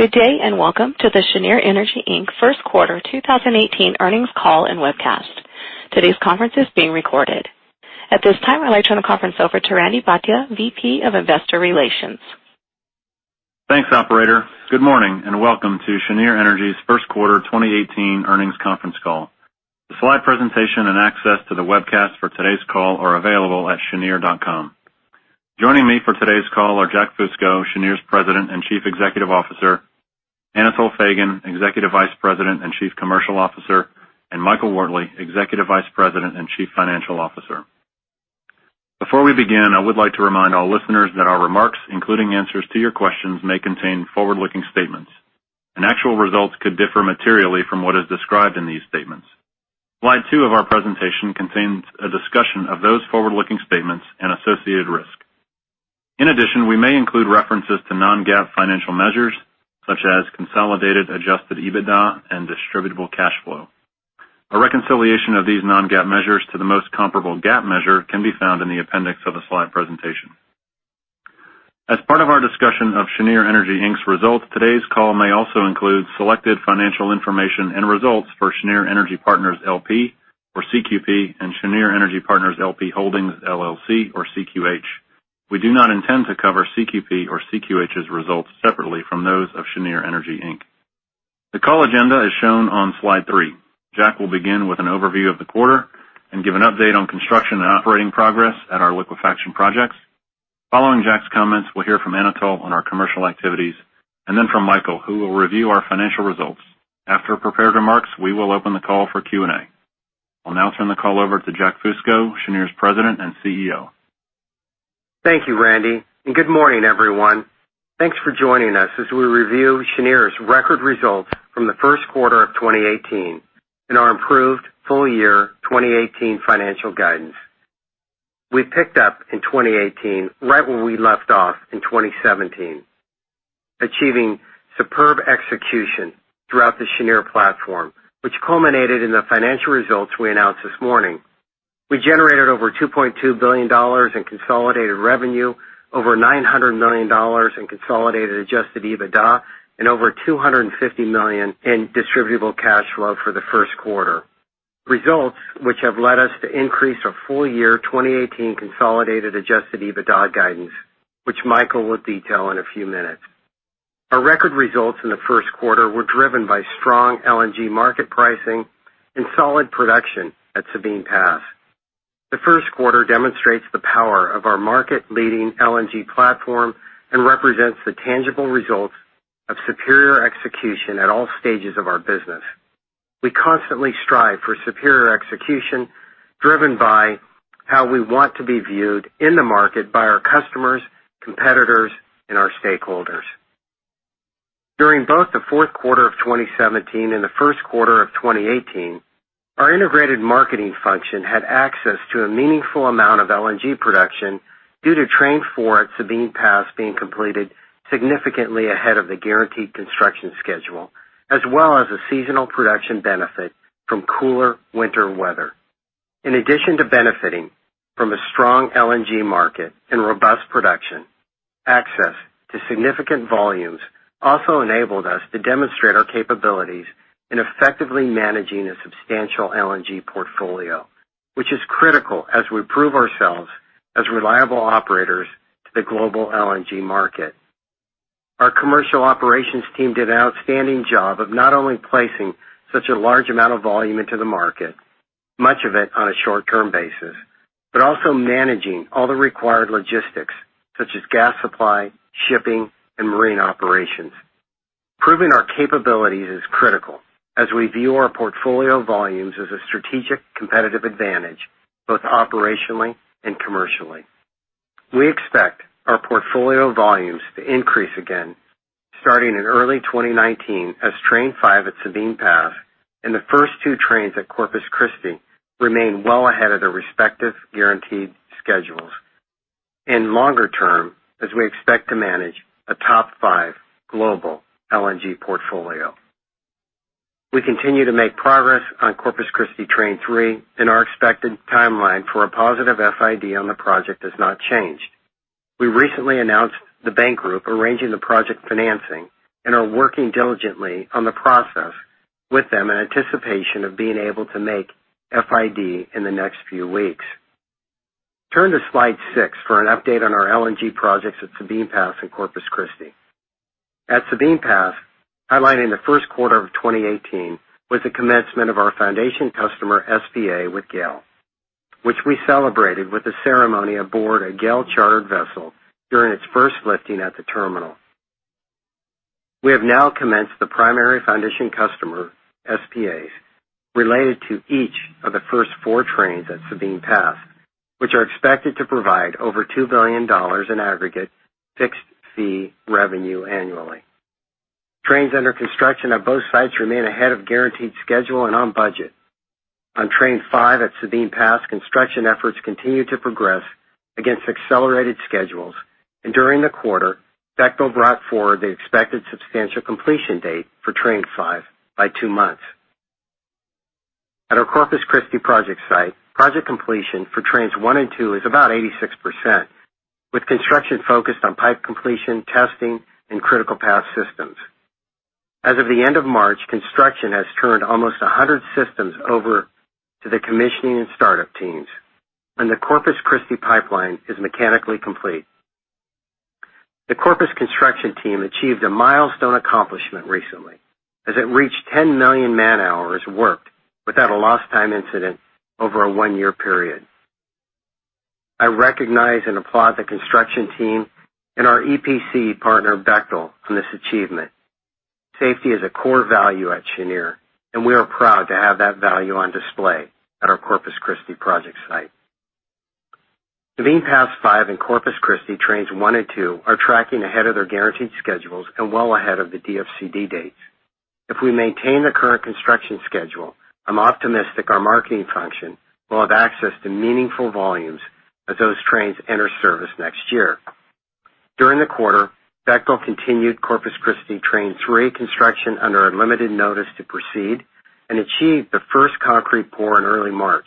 Good day, welcome to the Cheniere Energy, Inc. First Quarter 2018 Earnings Call and Webcast. Today's conference is being recorded. At this time, I'd like to turn the conference over to Randy Bhatia, VP of Investor Relations. Thanks, operator. Good morning, welcome to Cheniere Energy's first quarter 2018 earnings conference call. The slide presentation and access to the webcast for today's call are available at cheniere.com. Joining me for today's call are Jack Fusco, Cheniere's President and Chief Executive Officer, Anatol Feygin, Executive Vice President and Chief Commercial Officer, and Michael Wortley, Executive Vice President and Chief Financial Officer. Before we begin, I would like to remind all listeners that our remarks, including answers to your questions, may contain forward-looking statements, actual results could differ materially from what is described in these statements. Slide two of our presentation contains a discussion of those forward-looking statements and associated risk. In addition, we may include references to non-GAAP financial measures such as consolidated adjusted EBITDA and distributable cash flow. A reconciliation of these non-GAAP measures to the most comparable GAAP measure can be found in the appendix of the slide presentation. As part of our discussion of Cheniere Energy, Inc.'s results, today's call may also include selected financial information and results for Cheniere Energy Partners, L.P. or CQP, Cheniere Energy Partners LP Holdings, LLC or CQH. We do not intend to cover CQP or CQH's results separately from those of Cheniere Energy, Inc. The call agenda is shown on slide three. Jack will begin with an overview of the quarter and give an update on construction and operating progress at our liquefaction projects. Following Jack's comments, we'll hear from Anatol on our commercial activities, then from Michael, who will review our financial results. After prepared remarks, we will open the call for Q&A. I'll now turn the call over to Jack Fusco, Cheniere's President and CEO. Thank you, Randy, good morning, everyone. Thanks for joining us as we review Cheniere's record results from the first quarter of 2018, our improved full-year 2018 financial guidance. We've picked up in 2018 right where we left off in 2017, achieving superb execution throughout the Cheniere platform, which culminated in the financial results we announced this morning. We generated over $2.2 billion in consolidated revenue, over $900 million in consolidated adjusted EBITDA, over $250 million in distributable cash flow for the first quarter. Results which have led us to increase our full-year 2018 consolidated adjusted EBITDA guidance, which Michael will detail in a few minutes. Our record results in the first quarter were driven by strong LNG market pricing and solid production at Sabine Pass. The first quarter demonstrates the power of our market-leading LNG platform and represents the tangible results of superior execution at all stages of our business. We constantly strive for superior execution driven by how we want to be viewed in the market by our customers, competitors, and our stakeholders. During both the fourth quarter of 2017 and the first quarter of 2018, our integrated marketing function had access to a meaningful amount of LNG production due to Train 4 at Sabine Pass being completed significantly ahead of the guaranteed construction schedule, as well as a seasonal production benefit from cooler winter weather. In addition to benefiting from a strong LNG market and robust production, access to significant volumes also enabled us to demonstrate our capabilities in effectively managing a substantial LNG portfolio, which is critical as we prove ourselves as reliable operators to the global LNG market. Our commercial operations team did an outstanding job of not only placing such a large amount of volume into the market, much of it on a short-term basis, but also managing all the required logistics such as gas supply, shipping, and marine operations. Proving our capabilities is critical as we view our portfolio volumes as a strategic competitive advantage, both operationally and commercially. We expect our portfolio volumes to increase again starting in early 2019 as Train 5 at Sabine Pass and the first 2 trains at Corpus Christi remain well ahead of their respective guaranteed schedules, and longer-term as we expect to manage a top 5 global LNG portfolio. We continue to make progress on Corpus Christi Train 3, and our expected timeline for a positive FID on the project has not changed. We recently announced the bank group arranging the project financing and are working diligently on the process with them in anticipation of being able to make FID in the next few weeks. Turn to slide six for an update on our LNG projects at Sabine Pass and Corpus Christi. At Sabine Pass, highlighted in the first quarter of 2018 was the commencement of our foundation customer SPA with GAIL, which we celebrated with the ceremony aboard a GAIL-chartered vessel during its first lifting at the terminal. We have now commenced the primary foundation customer SPAs related to each of the first 4 trains at Sabine Pass, which are expected to provide over $2 billion in aggregate fixed-fee revenue annually. Trains under construction at both sites remain ahead of guaranteed schedule and on budget. On Train 5 at Sabine Pass, construction efforts continue to progress against accelerated schedules, and during the quarter, Bechtel brought forward the expected substantial completion date for Train 5 by two months. At our Corpus Christi project site, project completion for Trains 1 and 2 is about 86%, with construction focused on pipe completion, testing, and critical path systems. As of the end of March, construction has turned almost 100 systems over to the commissioning and startup teams, and the Corpus Christi pipeline is mechanically complete. The Corpus construction team achieved a milestone accomplishment recently as it reached 10 million man-hours worked without a lost time incident over a one-year period. I recognize and applaud the construction team and our EPC partner, Bechtel, on this achievement. Safety is a core value at Cheniere, and we are proud to have that value on display at our Corpus Christi project site. Sabine Pass five and Corpus Christi Trains One and Two are tracking ahead of their guaranteed schedules and well ahead of the DFCD dates. If we maintain the current construction schedule, I'm optimistic our marketing function will have access to meaningful volumes as those trains enter service next year. During the quarter, Bechtel continued Corpus Christi Train Three construction under a limited notice to proceed and achieved the first concrete pour in early March.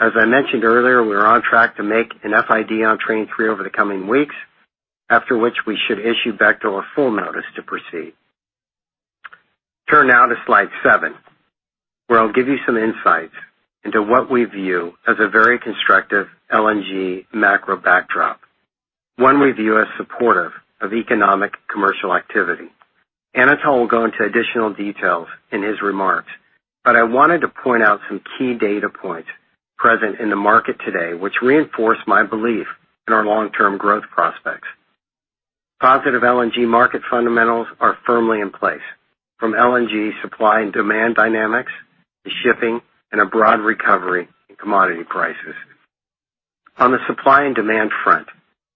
As I mentioned earlier, we are on track to make an FID on Train Three over the coming weeks, after which we should issue Bechtel a full notice to proceed. Turn now to slide seven, where I'll give you some insights into what we view as a very constructive LNG macro backdrop. One we view as supportive of economic commercial activity. Anatol will go into additional details in his remarks, but I wanted to point out some key data points present in the market today, which reinforce my belief in our long-term growth prospects. Positive LNG market fundamentals are firmly in place, from LNG supply and demand dynamics to shipping and a broad recovery in commodity prices. On the supply and demand front,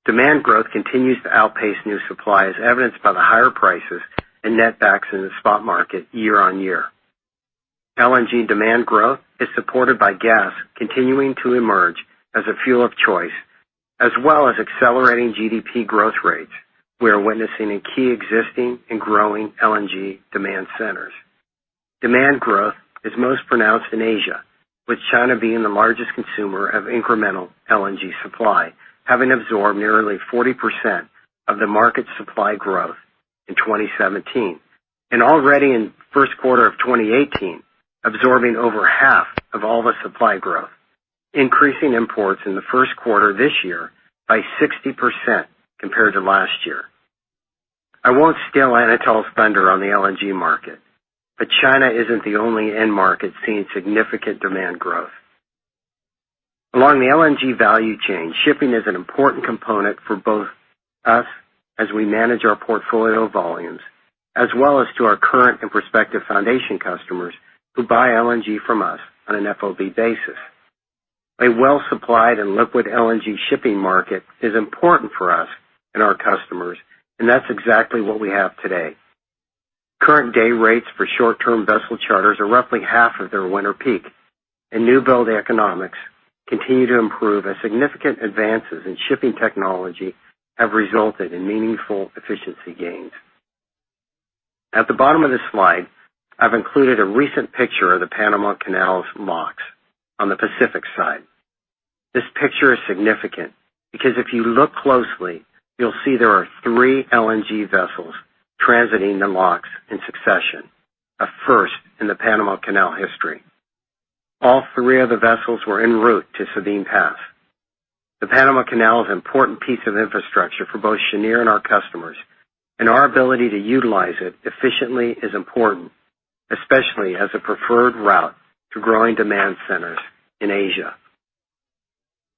demand growth continues to outpace new supply, as evidenced by the higher prices and netbacks in the spot market year-on-year. LNG demand growth is supported by gas continuing to emerge as a fuel of choice, as well as accelerating GDP growth rates we are witnessing in key existing and growing LNG demand centers. Demand growth is most pronounced in Asia, with China being the largest consumer of incremental LNG supply, having absorbed nearly 40% of the market supply growth in 2017. Already in first quarter of 2018, absorbing over half of all the supply growth, increasing imports in the first quarter this year by 60% compared to last year. I won't steal Anatol's thunder on the LNG market, but China isn't the only end market seeing significant demand growth. Along the LNG value chain, shipping is an important component for both us as we manage our portfolio volumes, as well as to our current and prospective foundation customers who buy LNG from us on an FOB basis. A well-supplied and liquid LNG shipping market is important for us and our customers, that's exactly what we have today. Current day rates for short-term vessel charters are roughly half of their winter peak, new-build economics continue to improve as significant advances in shipping technology have resulted in meaningful efficiency gains. At the bottom of this slide, I've included a recent picture of the Panama Canal's locks on the Pacific side. This picture is significant because if you look closely, you'll see there are three LNG vessels transiting the locks in succession, a first in the Panama Canal history. All three of the vessels were en route to Sabine Pass. The Panama Canal is an important piece of infrastructure for both Cheniere and our customers, our ability to utilize it efficiently is important, especially as a preferred route to growing demand centers in Asia.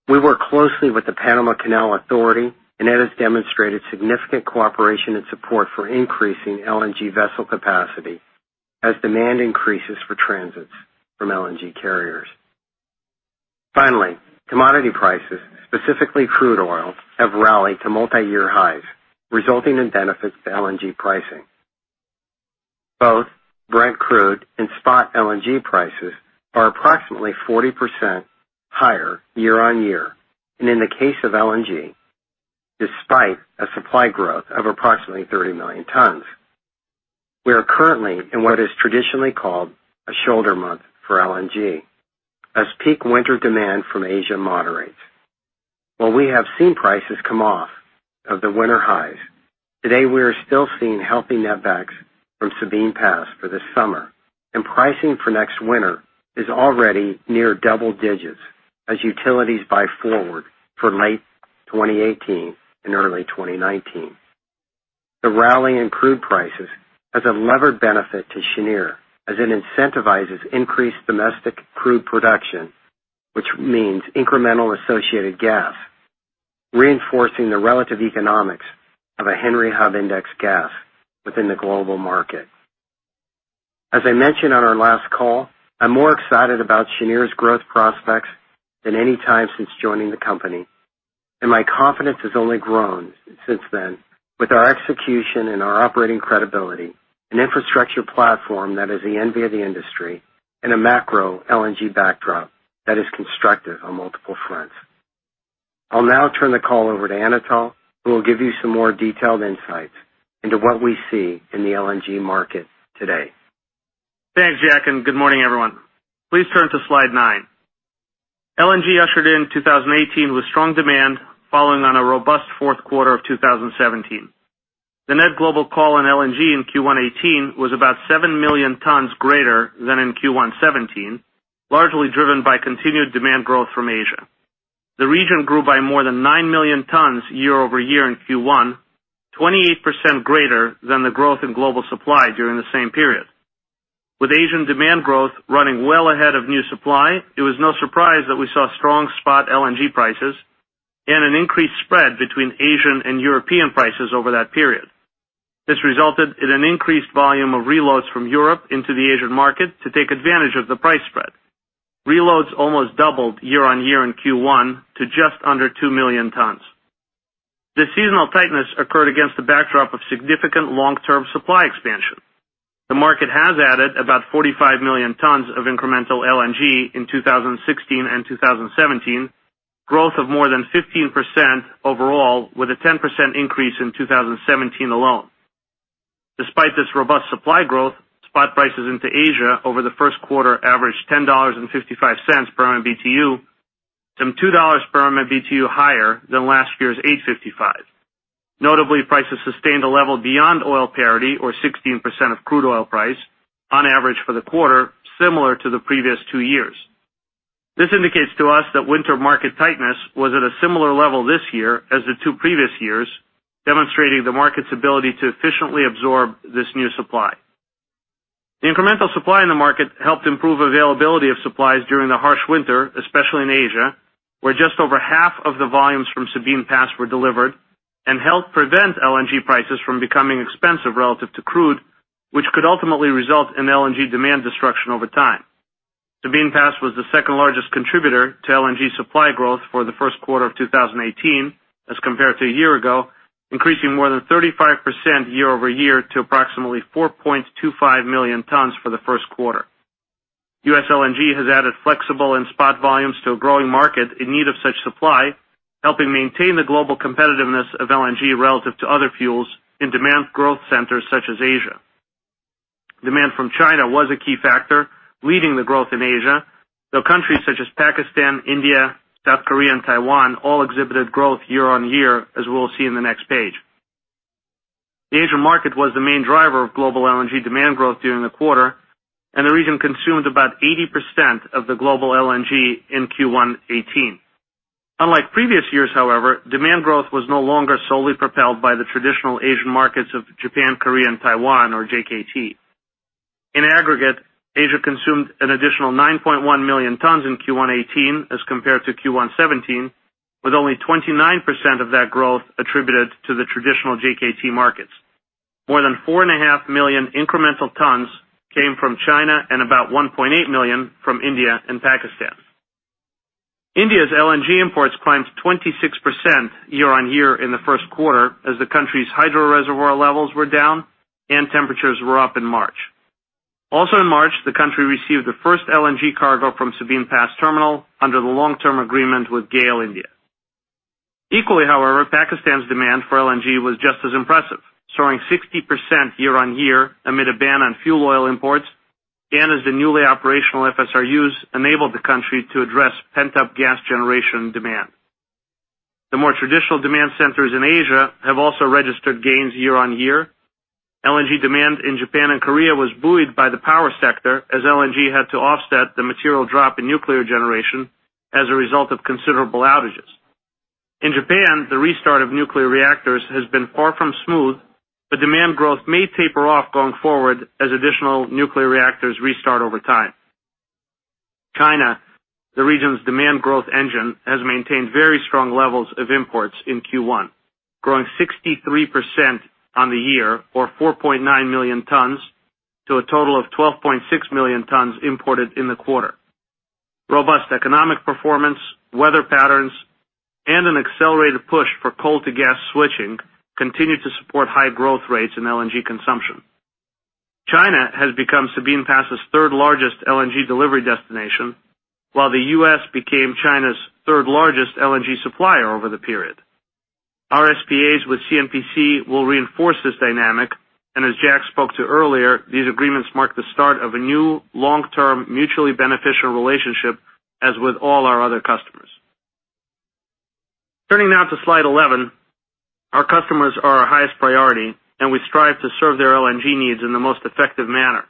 We work closely with the Panama Canal Authority, it has demonstrated significant cooperation and support for increasing LNG vessel capacity as demand increases for transits from LNG carriers. Finally, commodity prices, specifically crude oil, have rallied to multi-year highs, resulting in benefits to LNG pricing. Both Brent crude and spot LNG prices are approximately 40% higher year-on-year, and in the case of LNG, despite a supply growth of approximately 30 million tons. We are currently in what is traditionally called a shoulder month for LNG as peak winter demand from Asia moderates. While we have seen prices come off of the winter highs, today we are still seeing healthy netbacks from Sabine Pass for this summer, and pricing for next winter is already near double digits as utilities buy forward for late 2018 and early 2019. The rally in crude prices has a levered benefit to Cheniere as it incentivizes increased domestic crude production, which means incremental associated gas, reinforcing the relative economics of a Henry Hub index gas within the global market. As I mentioned on our last call, I'm more excited about Cheniere's growth prospects than any time since joining the company, and my confidence has only grown since then with our execution and our operating credibility, an infrastructure platform that is the envy of the industry, and a macro LNG backdrop that is constructive on multiple fronts. I'll now turn the call over to Anatol, who will give you some more detailed insights into what we see in the LNG market today. Thanks, Jack, good morning, everyone. Please turn to slide nine. LNG ushered in 2018 with strong demand following on a robust fourth quarter of 2017. The net global call on LNG in Q1 '18 was about 7 million tons greater than in Q1 '17, largely driven by continued demand growth from Asia. The region grew by more than 9 million tons year-over-year in Q1, 28% greater than the growth in global supply during the same period. This resulted in an increased volume of reloads from Europe into the Asian market to take advantage of the price spread. Reloads almost doubled year-on-year in Q1 to just under 2 million tons. This seasonal tightness occurred against the backdrop of significant long-term supply expansion. The market has added about 45 million tons of incremental LNG in 2016 and 2017, growth of more than 15% overall, with a 10% increase in 2017 alone. Despite this robust supply growth, spot prices into Asia over the first quarter averaged $10.55 per MMBtu, some $2 per MMBtu higher than last year's $8.55. Notably, prices sustained a level beyond oil parity or 16% of crude oil price on average for the quarter, similar to the previous two years. This indicates to us that winter market tightness was at a similar level this year as the two previous years, demonstrating the market's ability to efficiently absorb this new supply. The incremental supply in the market helped improve availability of supplies during the harsh winter, especially in Asia, where just over half of the volumes from Sabine Pass were delivered and helped prevent LNG prices from becoming expensive relative to crude, which could ultimately result in LNG demand destruction over time. Sabine Pass was the second-largest contributor to LNG supply growth for the first quarter of 2018 as compared to a year ago, increasing more than 35% year-over-year to approximately 4.25 million tons for the first quarter. U.S. LNG has added flexible and spot volumes to a growing market in need of such supply, helping maintain the global competitiveness of LNG relative to other fuels in demand growth centers such as Asia. Demand from China was a key factor leading the growth in Asia, though countries such as Pakistan, India, South Korea, and Taiwan all exhibited growth year-on-year, as we'll see in the next page. The Asian market was the main driver of global LNG demand growth during the quarter, and the region consumed about 80% of the global LNG in Q1 '18. Unlike previous years, however, demand growth was no longer solely propelled by the traditional Asian markets of Japan, Korea, and Taiwan, or JKT. In aggregate, Asia consumed an additional 9.1 million tons in Q1 '18 as compared to Q1 '17, with only 29% of that growth attributed to the traditional JKT markets. More than four and a half million incremental tons came from China and about 1.8 million from India and Pakistan. India's LNG imports climbed 26% year-on-year in the first quarter as the country's hydro reservoir levels were down and temperatures were up in March. Also in March, the country received the first LNG cargo from Sabine Pass Terminal under the long-term agreement with GAIL India. Equally, however, Pakistan's demand for LNG was just as impressive, soaring 60% year-on-year amid a ban on fuel oil imports and as the newly operational FSRUs enabled the country to address pent-up gas generation demand. The more traditional demand centers in Asia have also registered gains year-on-year. LNG demand in Japan and Korea was buoyed by the power sector as LNG had to offset the material drop in nuclear generation as a result of considerable outages. In Japan, the restart of nuclear reactors has been far from smooth, demand growth may taper off going forward as additional nuclear reactors restart over time. China, the region's demand growth engine, has maintained very strong levels of imports in Q1, growing 63% on the year or 4.9 million tons to a total of 12.6 million tons imported in the quarter. Robust economic performance, weather patterns, and an accelerated push for coal to gas switching continue to support high growth rates in LNG consumption. China has become Sabine Pass's third-largest LNG delivery destination, while the U.S. became China's third-largest LNG supplier over the period. Our SPAs with CNPC will reinforce this dynamic, and as Jack spoke to earlier, these agreements mark the start of a new long-term, mutually beneficial relationship as with all our other customers. Turning now to slide 11. Our customers are our highest priority, and we strive to serve their LNG needs in the most effective manner.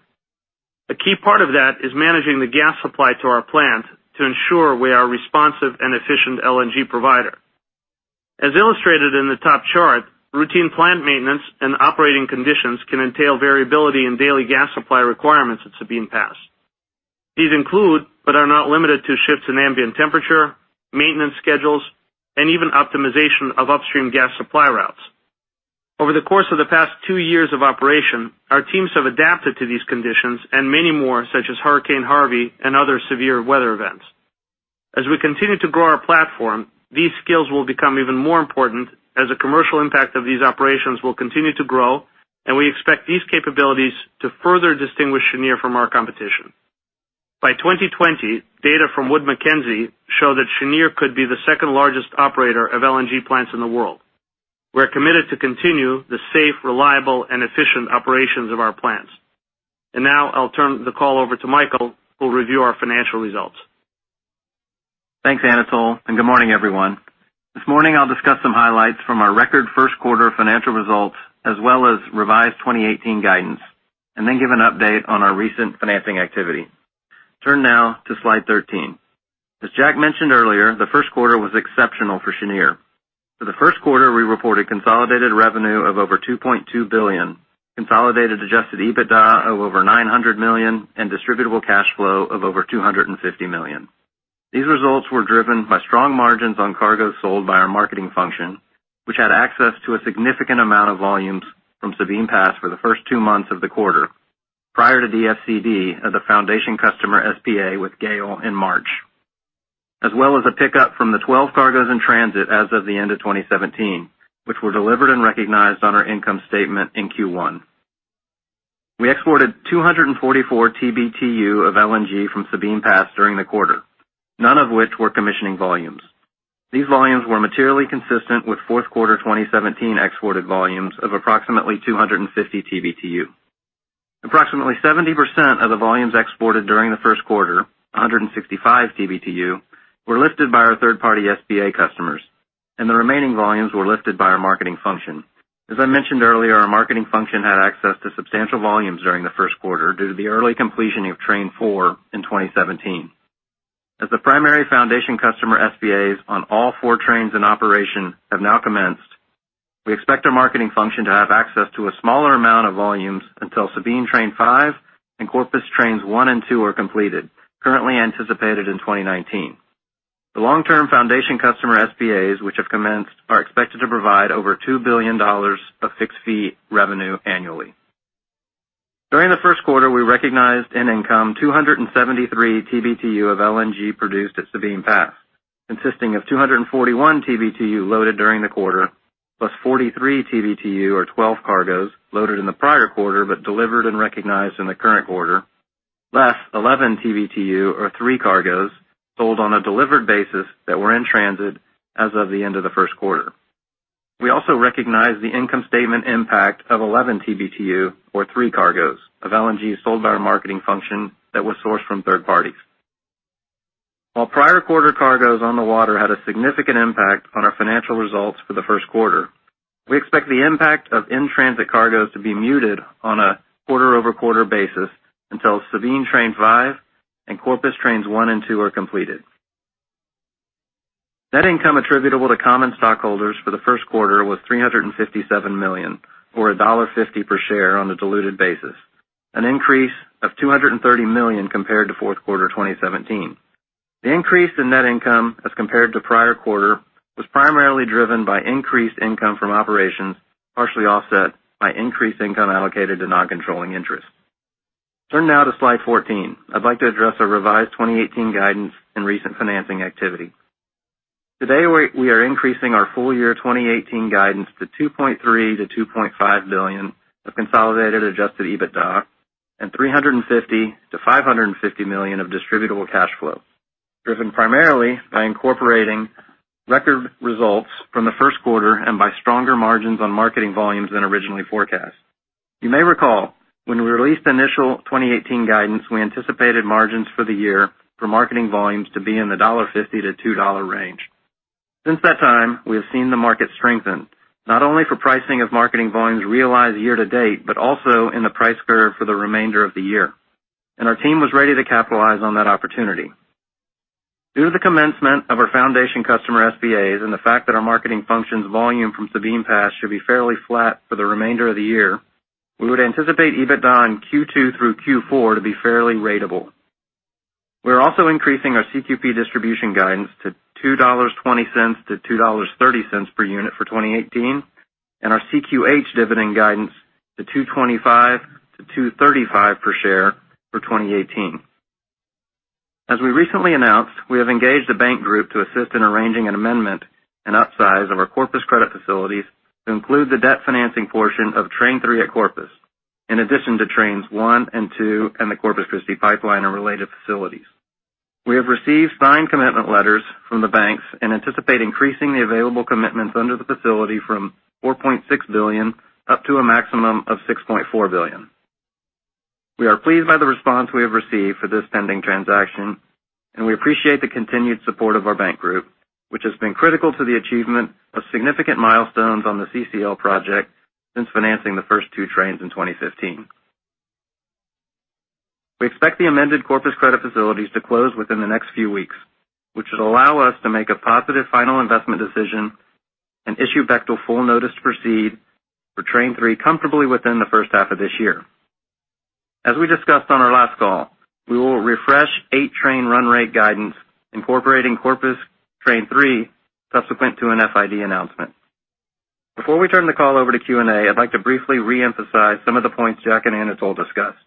A key part of that is managing the gas supply to our plant to ensure we are a responsive and efficient LNG provider. As illustrated in the top chart, routine plant maintenance and operating conditions can entail variability in daily gas supply requirements at Sabine Pass. These include, but are not limited to, shifts in ambient temperature, maintenance schedules, and even optimization of upstream gas supply routes. Over the course of the past two years of operation, our teams have adapted to these conditions and many more, such as Hurricane Harvey and other severe weather events. As we continue to grow our platform, these skills will become even more important as the commercial impact of these operations will continue to grow. We expect these capabilities to further distinguish Cheniere from our competition. By 2020, data from Wood Mackenzie show that Cheniere could be the second largest operator of LNG plants in the world. We're committed to continue the safe, reliable, and efficient operations of our plants. Now I'll turn the call over to Michael, who will review our financial results. Thanks, Anatol. Good morning, everyone. This morning I'll discuss some highlights from our record first quarter financial results, as well as revised 2018 guidance. Then give an update on our recent financing activity. Turn now to slide 13. As Jack mentioned earlier, the first quarter was exceptional for Cheniere. For the first quarter, we reported consolidated revenue of over $2.2 billion, consolidated adjusted EBITDA of over $900 million. Distributable cash flow of over $250 million. These results were driven by strong margins on cargo sold by our marketing function, which had access to a significant amount of volumes from Sabine Pass for the first two months of the quarter, prior to the FCD as a foundation customer SPA with GAIL in March, as well as a pickup from the 12 cargoes in transit as of the end of 2017, which were delivered and recognized on our income statement in Q1. We exported 244 TBTU of LNG from Sabine Pass during the quarter, none of which were commissioning volumes. These volumes were materially consistent with fourth quarter 2017 exported volumes of approximately 250 TBTU. Approximately 70% of the volumes exported during the first quarter, 165 TBTU, were lifted by our third-party SPA customers, and the remaining volumes were lifted by our marketing function. As I mentioned earlier, our marketing function had access to substantial volumes during the first quarter due to the early completion of Train 4 in 2017. As the primary foundation customer SPAs on all four trains in operation have now commenced, we expect our marketing function to have access to a smaller amount of volumes until Sabine Train 5 and Corpus Trains 1 and 2 are completed, currently anticipated in 2019. The long-term foundation customer SPAs, which have commenced, are expected to provide over $2 billion of fixed-fee revenue annually. During the first quarter, we recognized in income 273 TBTU of LNG produced at Sabine Pass, consisting of 241 TBTU loaded during the quarter, plus 43 TBTU or 12 cargoes loaded in the prior quarter but delivered and recognized in the current quarter, less 11 TBTU or 3 cargoes sold on a delivered basis that were in transit as of the end of the first quarter. We also recognized the income statement impact of 11 TBTU or 3 cargoes of LNG sold by our marketing function that was sourced from third parties. While prior quarter cargoes on the water had a significant impact on our financial results for the first quarter, we expect the impact of in-transit cargoes to be muted on a quarter-over-quarter basis until Sabine Train 5 and Corpus Trains 1 and 2 are completed. Net income attributable to common stockholders for the first quarter was $357 million, or $1.50 per share on a diluted basis, an increase of $230 million compared to fourth quarter 2017. The increase in net income as compared to the prior quarter was primarily driven by increased income from operations, partially offset by increased income allocated to non-controlling interest. Turn now to Slide 14. I'd like to address our revised 2018 guidance and recent financing activity. Today, we are increasing our full-year 2018 guidance to $2.3 billion-$2.5 billion of consolidated adjusted EBITDA and $350 million-$550 million of distributable cash flow, driven primarily by incorporating record results from the first quarter and by stronger margins on marketing volumes than originally forecast. You may recall when we released the initial 2018 guidance, we anticipated margins for the year for marketing volumes to be in the $1.50-$2 range. Since that time, we have seen the market strengthen, not only for pricing of marketing volumes realized year to date, but also in the price curve for the remainder of the year. Our team was ready to capitalize on that opportunity. Due to the commencement of our foundation customer SPAs and the fact that our marketing function's volume from Sabine Pass should be fairly flat for the remainder of the year, we would anticipate EBITDA in Q2 through Q4 to be fairly ratable. We are also increasing our CQP distribution guidance to $2.20-$2.30 per unit for 2018, and our CQH dividend guidance to $2.25-$2.35 per share for 2018. As we recently announced, we have engaged a bank group to assist in arranging an amendment and upsize of our Corpus credit facilities to include the debt financing portion of train three at Corpus, in addition to trains one and two and the Corpus Christi pipeline and related facilities. We have received signed commitment letters from the banks and anticipate increasing the available commitments under the facility from $4.6 billion up to a maximum of $6.4 billion. We are pleased by the response we have received for this pending transaction. We appreciate the continued support of our bank group, which has been critical to the achievement of significant milestones on the CCL project since financing the first two trains in 2015. We expect the amended Corpus credit facilities to close within the next few weeks, which will allow us to make a positive final investment decision and issue Bechtel full notice to proceed for train three comfortably within the first half of this year. As we discussed on our last call, we will refresh 8-train run rate guidance incorporating Corpus train three subsequent to an FID announcement. Before we turn the call over to Q&A, I'd like to briefly reemphasize some of the points Jack and Anatol discussed,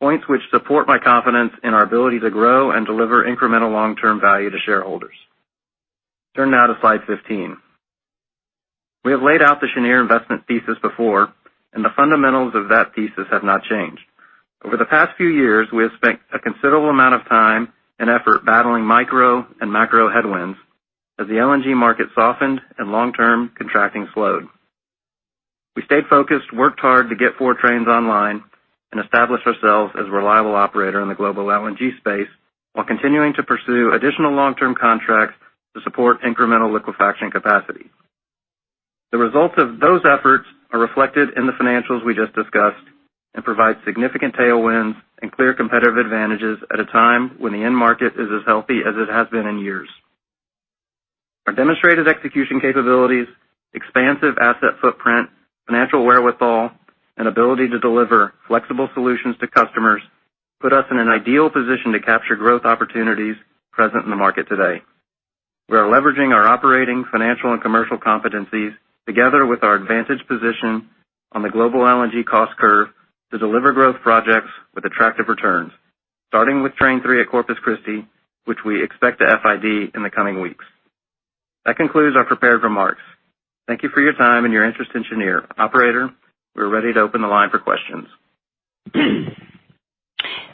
points which support my confidence in our ability to grow and deliver incremental long-term value to shareholders. Turn now to slide 15. We have laid out the Cheniere investment thesis before. The fundamentals of that thesis have not changed. Over the past few years, we have spent a considerable amount of time and effort battling micro and macro headwinds as the LNG market softened and long-term contracting slowed. We stayed focused, worked hard to get four trains online, established ourselves as a reliable operator in the global LNG space while continuing to pursue additional long-term contracts to support incremental liquefaction capacity. The results of those efforts are reflected in the financials we just discussed and provide significant tailwinds and clear competitive advantages at a time when the end market is as healthy as it has been in years. Our demonstrated execution capabilities, expansive asset footprint, financial wherewithal, and ability to deliver flexible solutions to customers put us in an ideal position to capture growth opportunities present in the market today. We are leveraging our operating, financial, and commercial competencies together with our advantage position on the global LNG cost curve to deliver growth projects with attractive returns. Starting with train three at Corpus Christi, which we expect to FID in the coming weeks. That concludes our prepared remarks. Thank you for your time and your interest in Cheniere. Operator, we're ready to open the line for questions.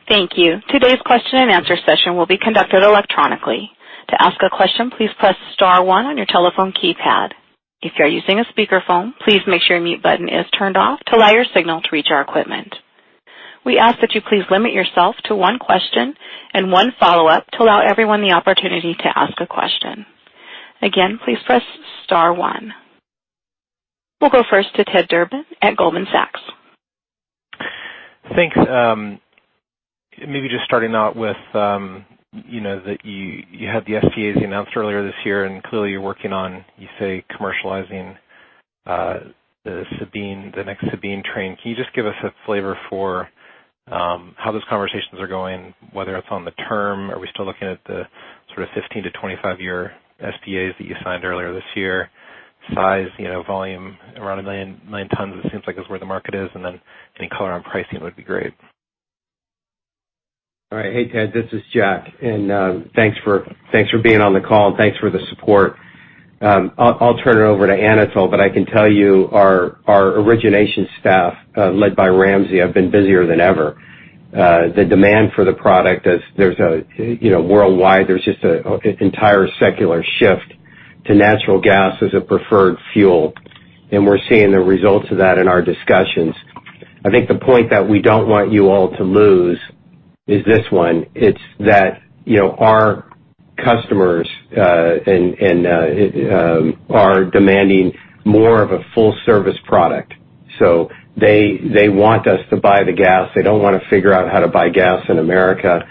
Thank you. Today's question and answer session will be conducted electronically. To ask a question, please press star one on your telephone keypad. If you are using a speakerphone, please make sure your mute button is turned off to allow your signal to reach our equipment. We ask that you please limit yourself to one question and one follow-up to allow everyone the opportunity to ask a question. Again, please press star one. We'll go first to Theodore Durbin at Goldman Sachs. Thanks. Maybe just starting out with that you had the SPAs you announced earlier this year, and clearly you're working on, you say, commercializing the next Sabine train. Can you just give us a flavor for how those conversations are going, whether it's on the term? Are we still looking at the sort of 15-25-year SPAs that you signed earlier this year? Size, volume around a million tons it seems like is where the market is, then any color on pricing would be great. All right. Hey, Ted. This is Jack, thanks for being on the call, and thanks for the support. I'll turn it over to Anatol, I can tell you our origination staff, led by Ramsey, have been busier than ever. The demand for the product, worldwide, there's just an entire secular shift to natural gas as a preferred fuel, we're seeing the results of that in our discussions. I think the point that we don't want you all to lose is this one: It's that our customers are demanding more of a full-service product. They want us to buy the gas. They don't want to figure out how to buy gas in America.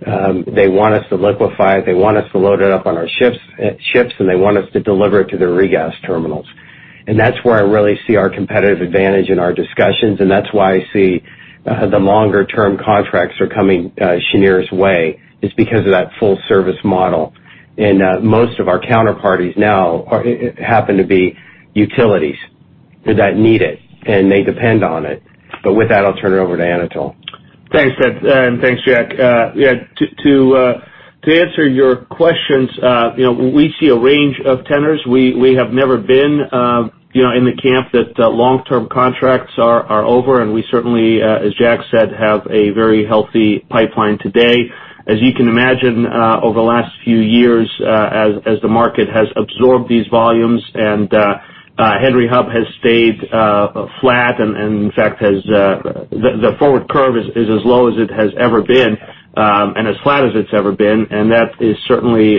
They want us to liquefy it. They want us to load it up on our ships, and they want us to deliver it to their regas terminals. That's where I really see our competitive advantage in our discussions, and that's why I see the longer-term contracts are coming Cheniere's way is because of that full-service model. Most of our counterparties now happen to be utilities that need it, and they depend on it. With that, I'll turn it over to Anatol. Thanks, Ted, and thanks, Jack. To answer your questions, we see a range of tenors. We have never been in the camp that long-term contracts are over, and we certainly, as Jack said, have a very healthy pipeline today. As you can imagine, over the last few years, as the market has absorbed these volumes and Henry Hub has stayed flat and in fact, the forward curve is as low as it's ever been, and as flat as it's ever been. That is certainly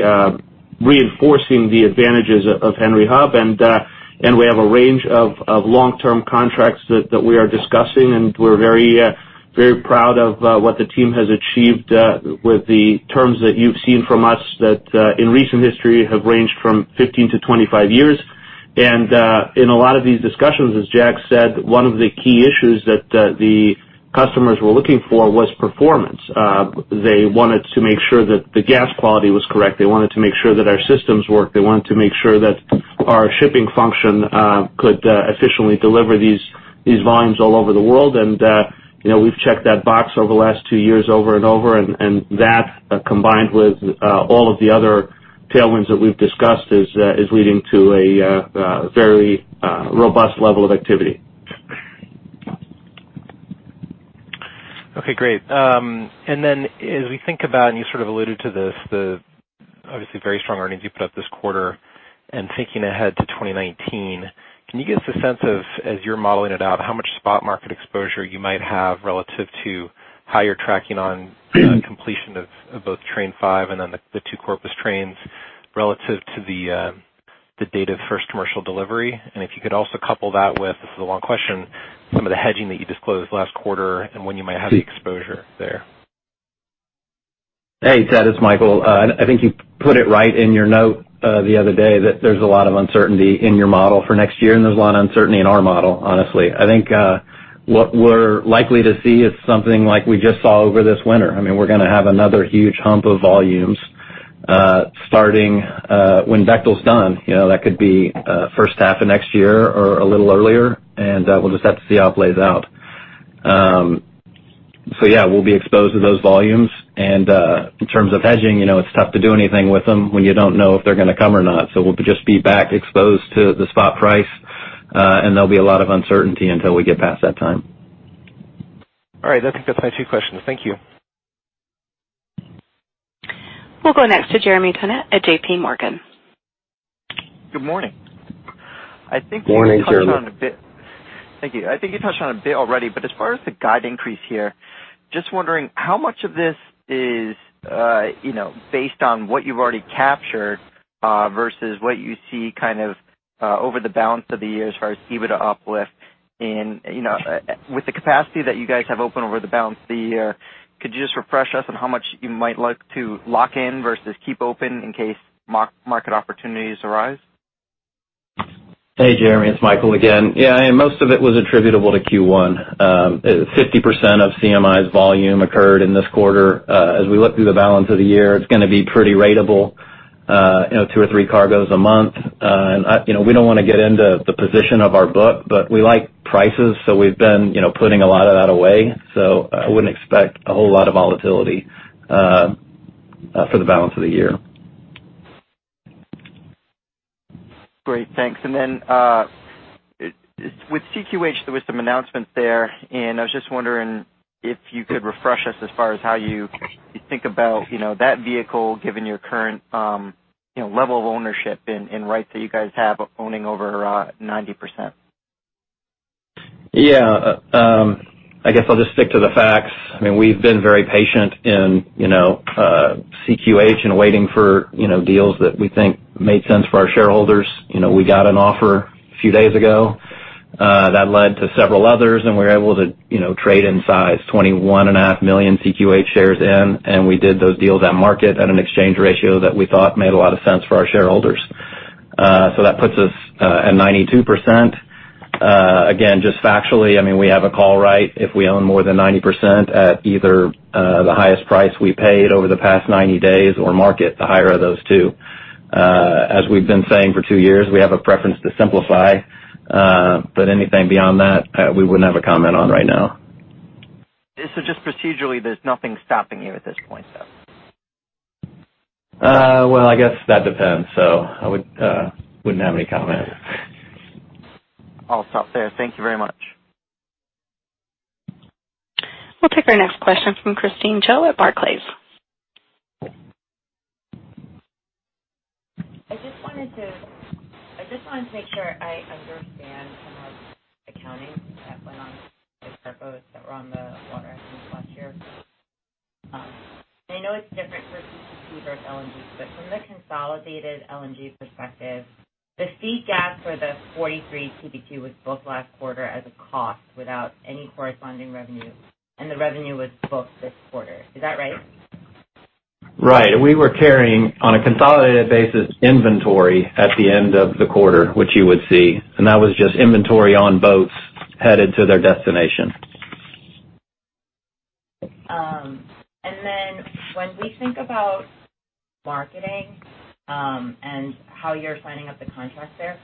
reinforcing the advantages of Henry Hub. We have a range of long-term contracts that we are discussing, and we're very proud of what the team has achieved with the terms that you've seen from us that in recent history have ranged from 15 to 25 years. In a lot of these discussions, as Jack said, one of the key issues that the customers were looking for was performance. They wanted to make sure that the gas quality was correct. They wanted to make sure that our systems work. They wanted to make sure that our shipping function could efficiently deliver these volumes all over the world. We've checked that box over the last two years over and over, and that, combined with all of the other tailwinds that we've discussed, is leading to a very robust level of activity. Okay, great. As we think about, and you sort of alluded to this, the obviously very strong earnings you put up this quarter and thinking ahead to 2019, can you give us a sense of, as you're modeling it out, how much spot market exposure you might have relative to how you're tracking on completion of both train 5 and then the two Corpus trains relative to the Date of First Commercial Delivery? If you could also couple that with, this is a long question, some of the hedging that you disclosed last quarter and when you might have the exposure there. Hey, Ted, it's Michael. I think you put it right in your note the other day that there's a lot of uncertainty in your model for next year, and there's a lot of uncertainty in our model, honestly. I think what we're likely to see is something like we just saw over this winter. We're going to have another huge hump of volumes starting when Bechtel's done. That could be first half of next year or a little earlier, and we'll just have to see how it plays out. Yeah, we'll be exposed to those volumes. In terms of hedging, it's tough to do anything with them when you don't know if they're going to come or not. We'll just be back exposed to the spot price, and there'll be a lot of uncertainty until we get past that time. All right. I think that's my two questions. Thank you. We'll go next to Jeremy Tonet at J.P. Morgan. Good morning. Morning, Jeremy. Thank you. I think you touched on it a bit already, but as far as the guide increase here, just wondering how much of this is based on what you've already captured, versus what you see over the balance of the year as far as EBITDA uplift. With the capacity that you guys have open over the balance of the year, could you just refresh us on how much you might look to lock in versus keep open in case market opportunities arise? Hey, Jeremy. It's Michael again. Yeah, most of it was attributable to Q1. 50% of CMI's volume occurred in this quarter. As we look through the balance of the year, it's going to be pretty ratable, two or three cargoes a month. We don't want to get into the position of our book, but we like prices, so we've been putting a lot of that away. I wouldn't expect a whole lot of volatility for the balance of the year. Great, thanks. With CQH, there was some announcements there, and I was just wondering if you could refresh us as far as how you think about that vehicle, given your current level of ownership and rights that you guys have owning over 90%. I guess I'll just stick to the facts. We've been very patient in CQH and waiting for deals that we think made sense for our shareholders. We got an offer a few days ago that led to several others, and we were able to trade in size 21.5 million CQH shares in, and we did those deals at market at an exchange ratio that we thought made a lot of sense for our shareholders. That puts us at 92%. Again, just factually, we have a call right if we own more than 90% at either the highest price we paid over the past 90 days or market, the higher of those two. As we've been saying for two years, we have a preference to simplify. Anything beyond that, we wouldn't have a comment on right now. Just procedurally, there's nothing stopping you at this point, though? Well, I guess that depends. I wouldn't have any comment. I'll stop there. Thank you very much. We'll take our next question from Theresa Chen at Barclays. I just wanted to make sure I understand some of the accounting that went on with the cargo boats that were on the water at least last year. I know it's different for CQP versus LNG, from the consolidated LNG perspective, the feed gas for the 43 TBTU was booked last quarter as a cost without any corresponding revenue, and the revenue was booked this quarter. Is that right? Right. We were carrying, on a consolidated basis, inventory at the end of the quarter, which you would see, and that was just inventory on boats headed to their destination. When we think about marketing, and how you're signing up the contracts there,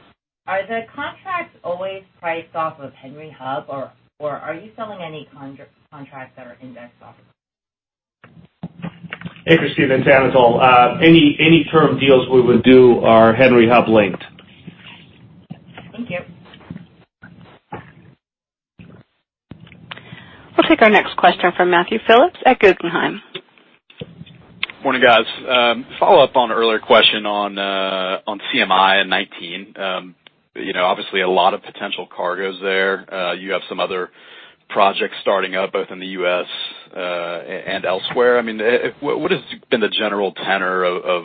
are the contracts always priced off of Henry Hub, or are you selling any contracts that are indexed off? Hey, Theresa. It's Anatol. Any term deals we would do are Henry Hub linked. Thank you. We'll take our next question from Matthew Phillips at Guggenheim. Morning, guys. Follow up on earlier question on CMI and 2019. Obviously, a lot of potential cargoes there. You have some other projects starting up, both in the U.S. and elsewhere. What has been the general tenor of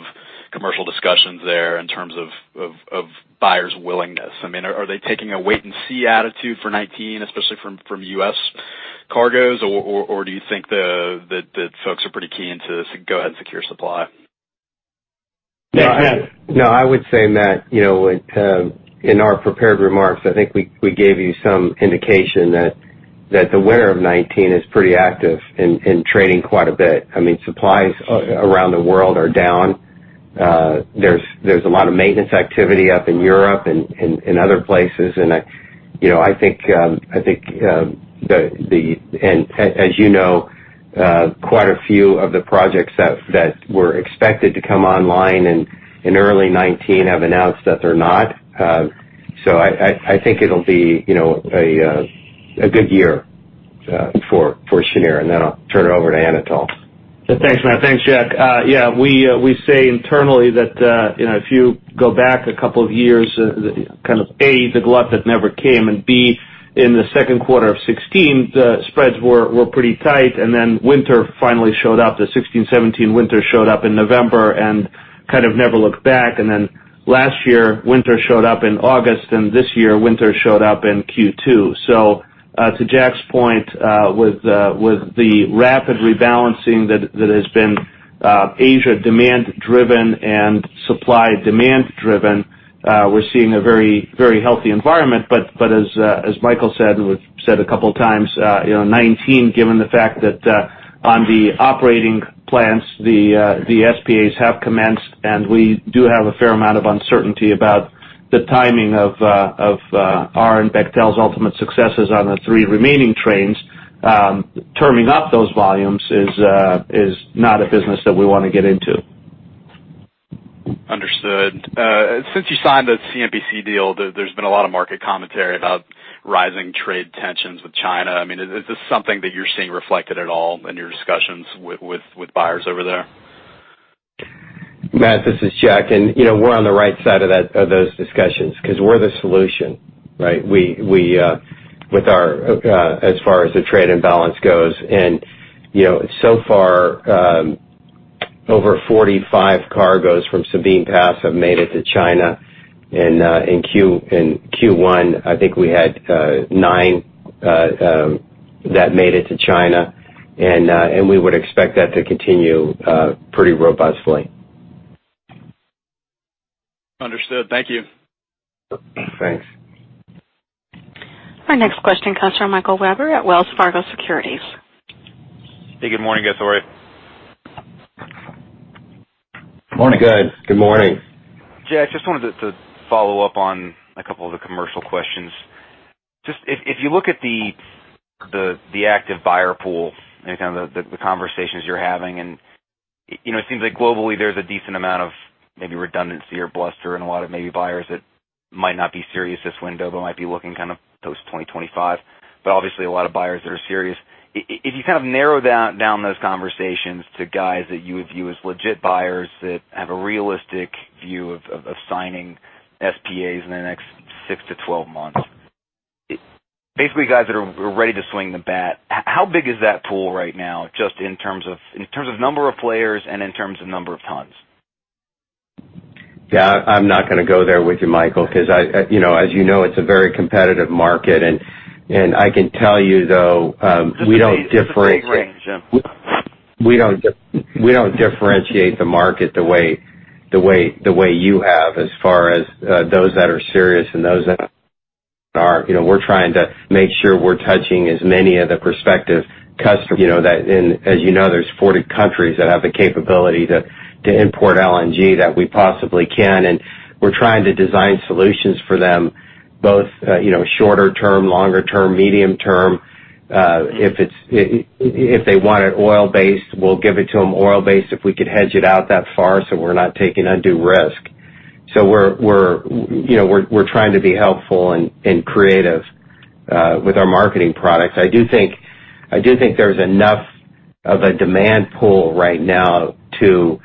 commercial discussions there in terms of buyers' willingness? Are they taking a wait-and-see attitude for 2019, especially from U.S. cargoes, or do you think that folks are pretty key into go ahead and secure supply? I would say, Matt, in our prepared remarks, I think we gave you some indication that the winter of 2019 is pretty active and trading quite a bit. Supplies around the world are down. There's a lot of maintenance activity up in Europe and in other places. As you know, quite a few of the projects that were expected to come online in early 2019 have announced that they're not. I think it'll be a good year for Cheniere. Then I'll turn it over to Anatol. Thanks, Matt. Thanks, Jack. We say internally that if you go back a couple of years, kind of A, the glut that never came, B, in the second quarter of 2016, the spreads were pretty tight, winter finally showed up. The 2016-2017 winter showed up in November and kind of never looked back. Last year, winter showed up in August, this year winter showed up in Q2. To Jack's point, with the rapid rebalancing that has been Asia demand driven and supply demand driven, we're seeing a very healthy environment. As Michael said a couple times, 2019, given the fact that on the operating plants, the SPAs have commenced, we do have a fair amount of uncertainty about The timing of our and Bechtel's ultimate successes on the three remaining trains. Terming up those volumes is not a business that we want to get into. Understood. Since you signed the CNPC deal, there's been a lot of market commentary about rising trade tensions with China. Is this something that you're seeing reflected at all in your discussions with buyers over there? Matt, this is Jack, we're on the right side of those discussions because we're the solution. As far as the trade imbalance goes, over 45 cargoes from Sabine Pass have made it to China. In Q1, I think we had nine that made it to China. We would expect that to continue pretty robustly. Understood. Thank you. Thanks. Our next question comes from Michael Webber at Wells Fargo Securities. Hey, good morning, guys. How are you? Morning. Good. Good morning. Jack, just wanted to follow up on a couple of the commercial questions. If you look at the active buyer pool and the kind of conversations you're having, it seems like globally there's a decent amount of maybe redundancy or bluster and a lot of maybe buyers that might not be serious this window, but might be looking kind of post 2025. Obviously a lot of buyers that are serious. If you kind of narrow down those conversations to guys that you would view as legit buyers that have a realistic view of assigning SPAs in the next six to 12 months, basically guys that are ready to swing the bat, how big is that pool right now? Just in terms of number of players and in terms of number of tons. Yeah, I'm not going to go there with you, Michael, because as you know, it's a very competitive market. I can tell you, though, We don't differentiate the market the way you have as far as those that are serious and those that aren't. We're trying to make sure we're touching as many of the prospective customers that. As you know, there's 40 countries that have the capability to import LNG that we possibly can, and we're trying to design solutions for them both shorter-term, longer-term, medium-term. If they want it oil-based, we'll give it to them oil-based if we could hedge it out that far, so we're not taking undue risk. We're trying to be helpful and creative with our marketing products. I do think there's enough of a demand pull right now to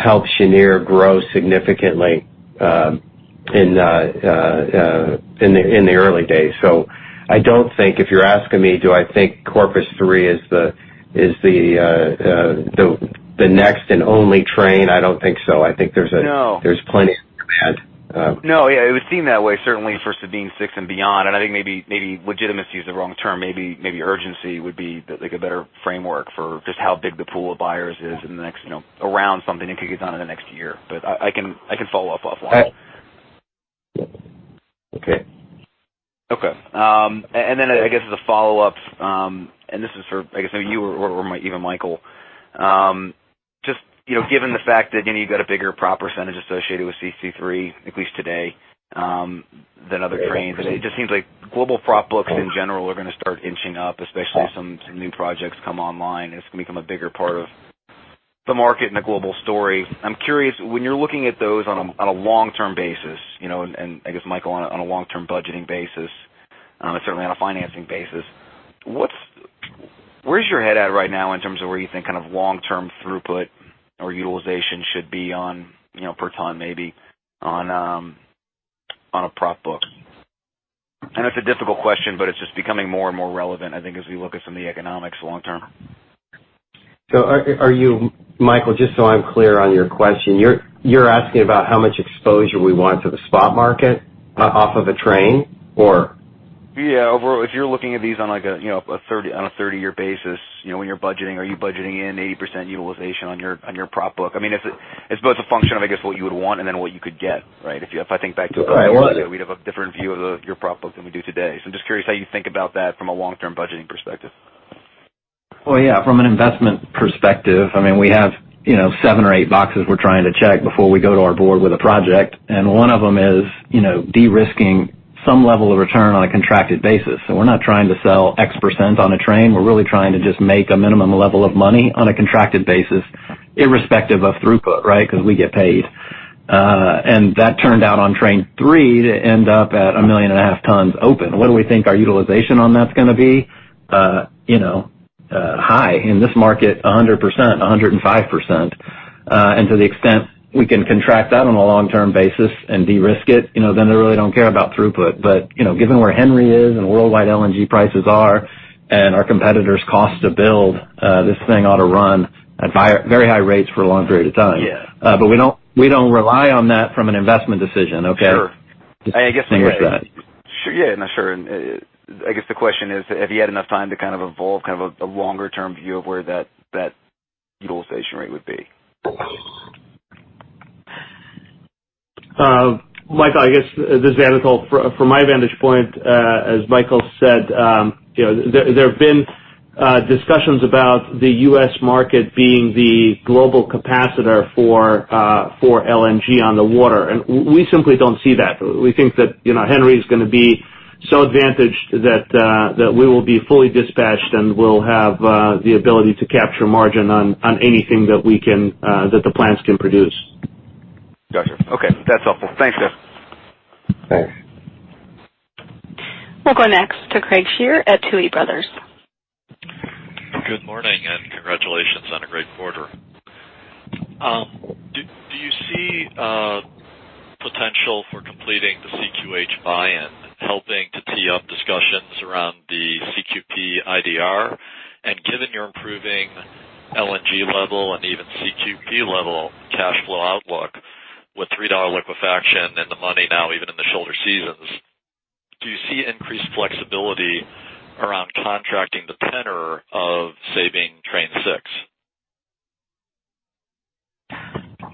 help Cheniere grow significantly in the early days. I don't think if you're asking me, do I think Corpus 3 is the next and only train? I don't think so. I think there's plenty to add. No. Yeah, it would seem that way, certainly for Sabine 6 and beyond. I think maybe legitimacy is the wrong term. Maybe urgency would be a better framework for just how big the pool of buyers is around something if it gets on in the next year. I can follow up offline. Okay. Okay. I guess as a follow-up, and this is for, I guess, you or even Michael. Just given the fact that you've got a bigger prop percentage associated with CC3, at least today, than other trains. It just seems like global prop books in general are going to start inching up, especially as some new projects come online. It's going to become a bigger part of the market and the global story. I'm curious, when you're looking at those on a long-term basis, and I guess, Michael, on a long-term budgeting basis, certainly on a financing basis, where's your head at right now in terms of where you think kind of long-term throughput or utilization should be on per ton, maybe on a prop book? I know it's a difficult question, it's just becoming more and more relevant, I think, as we look at some of the economics long term. Michael, just so I'm clear on your question, you're asking about how much exposure we want to the spot market off of a train, or? Yeah. Overall, if you're looking at these on a 30-year basis when you're budgeting, are you budgeting in 80% utilization on your prop book? It's both a function of, I guess, what you would want and then what you could get, right? If I think back to we'd have a different view of your prop book than we do today. I'm just curious how you think about that from a long-term budgeting perspective. Well, yeah, from an investment perspective, we have seven or eight boxes we're trying to check before we go to our board with a project. One of them is de-risking some level of return on a contracted basis. We're not trying to sell X% on a train. We're really trying to just make a minimum level of money on a contracted basis, irrespective of throughput, right? Because we get paid. That turned out on train three to end up at a million and a half tons open. What do we think our utilization on that's going to be? High. In this market, 100%, 105%. To the extent we can contract that on a long-term basis and de-risk it, I really don't care about throughput. Given where Henry is and worldwide LNG prices are and our competitors' cost to build, this thing ought to run at very high rates for a long period of time. Yeah. We don't rely on that from an investment decision, okay? Sure. Just to finish that. Sure. Yeah. No, sure. I guess the question is, have you had enough time to kind of evolve kind of a longer-term view of where that utilization rate would be? Michael, I guess, this is Anatol. From my vantage point, as Michael said, there have been Discussions about the U.S. market being the global capacitor for LNG on the water, we simply don't see that. We think that Henry is going to be so advantaged that we will be fully dispatched, and we'll have the ability to capture margin on anything that the plants can produce. Got you. Okay, that's helpful. Thanks, Jack. Thanks. We'll go next to Craig Shere at Tuohy Brothers. Good morning, congratulations on a great quarter. Do you see potential for completing the CQH buy-in helping to tee up discussions around the CQP IDR? Given your improving LNG level and even CQP level cash flow outlook with $3 liquefaction and the money now even in the shoulder seasons, do you see increased flexibility around contracting the tenor of Sabine Train 6?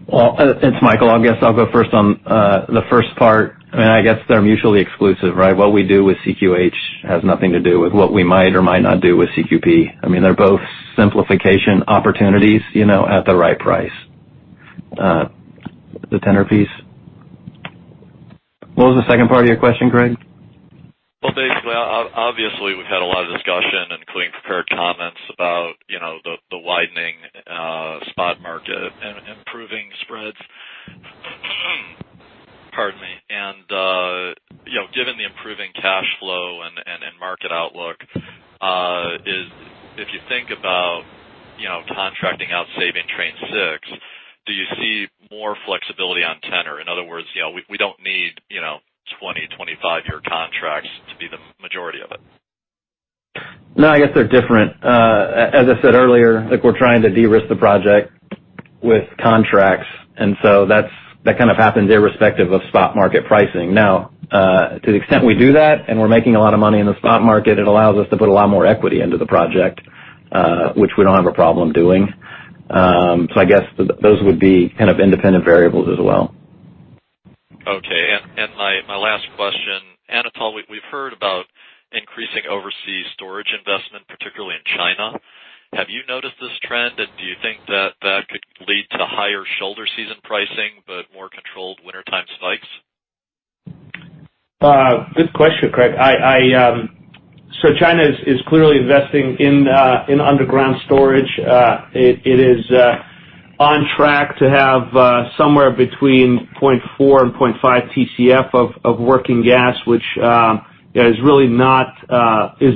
Well, it's Michael. I guess I'll go first on the first part. I guess they're mutually exclusive, right? What we do with CQH has nothing to do with what we might or might not do with CQP. They're both simplification opportunities at the right price. The tenor piece? What was the second part of your question, Craig? Well, basically, obviously, we've had a lot of discussion, including prepared comments about the widening spot market and improving spreads. Pardon me. Given the improving cash flow and market outlook, if you think about contracting out Sabine Train 6, do you see more flexibility on tenor? In other words, we don't need 20, 25-year contracts to be the majority of it. No, I guess they're different. As I said earlier, we're trying to de-risk the project with contracts, that kind of happens irrespective of spot market pricing. Now, to the extent we do that and we're making a lot of money in the spot market, it allows us to put a lot more equity into the project, which we don't have a problem doing. I guess those would be kind of independent variables as well. Okay. My last question. Anatol, we've heard about increasing overseas storage investment, particularly in China. Have you noticed this trend, and do you think that that could lead to higher shoulder season pricing but more controlled wintertime spikes? Good question, Craig. China is clearly investing in underground storage. It is on track to have somewhere between 0.4 and 0.5 TCF of working gas, which is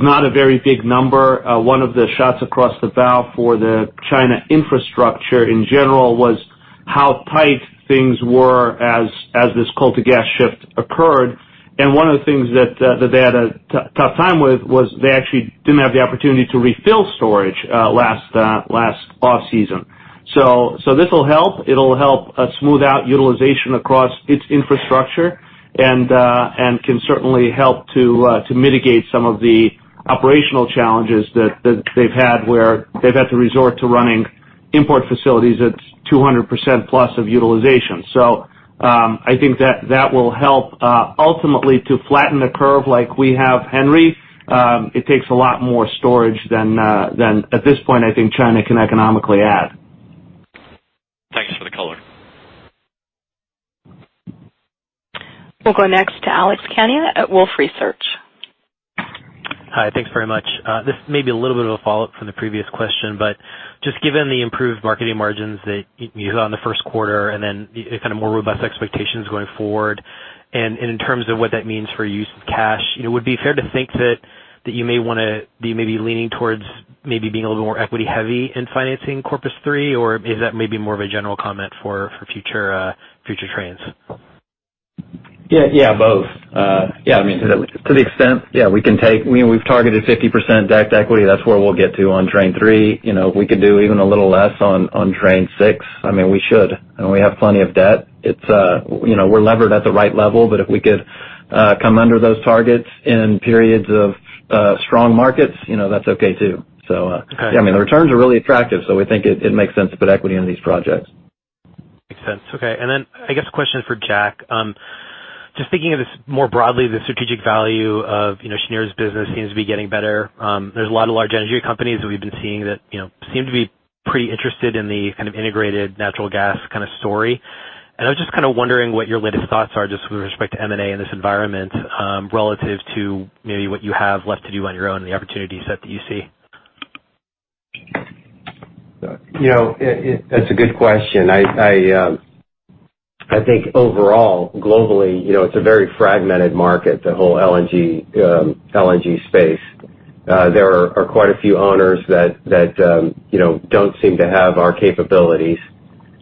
not a very big number. One of the shots across the bow for the China infrastructure in general was how tight things were as this coal to gas shift occurred. One of the things that they had a tough time with was they actually didn't have the opportunity to refill storage last off-season. This will help. It'll help smooth out utilization across its infrastructure and can certainly help to mitigate some of the operational challenges that they've had where they've had to resort to running import facilities at 200% plus of utilization. I think that will help ultimately to flatten the curve like we have Henry. It takes a lot more storage than at this point I think China can economically add. Thanks for the color. We'll go next to Alex Kenney at Wolfe Research. Hi. Thanks very much. This may be a little bit of a follow-up from the previous question, but just given the improved marketing margins that you had on the first quarter and then the kind of more robust expectations going forward and in terms of what that means for use of cash, would it be fair to think that you may want to be maybe leaning towards maybe being a little more equity heavy in financing Corpus 3? Or is that maybe more of a general comment for future trains? Yeah, both. To the extent we've targeted 50% debt to equity. That's where we'll get to on Train 3. If we could do even a little less on Train 6, we should. We have plenty of debt. We're levered at the right level, but if we could come under those targets in periods of strong markets, that's okay too. Okay. The returns are really attractive, so we think it makes sense to put equity into these projects. Makes sense. Okay. I guess a question for Jack. Just thinking of this more broadly, the strategic value of Cheniere's business seems to be getting better. There's a lot of large energy companies that we've been seeing that seem to be pretty interested in the kind of integrated natural gas kind of story. I was just kind of wondering what your latest thoughts are just with respect to M&A in this environment relative to maybe what you have left to do on your own and the opportunity set that you see. That's a good question. I think overall, globally, it's a very fragmented market, the whole LNG space. There are quite a few owners that don't seem to have our capabilities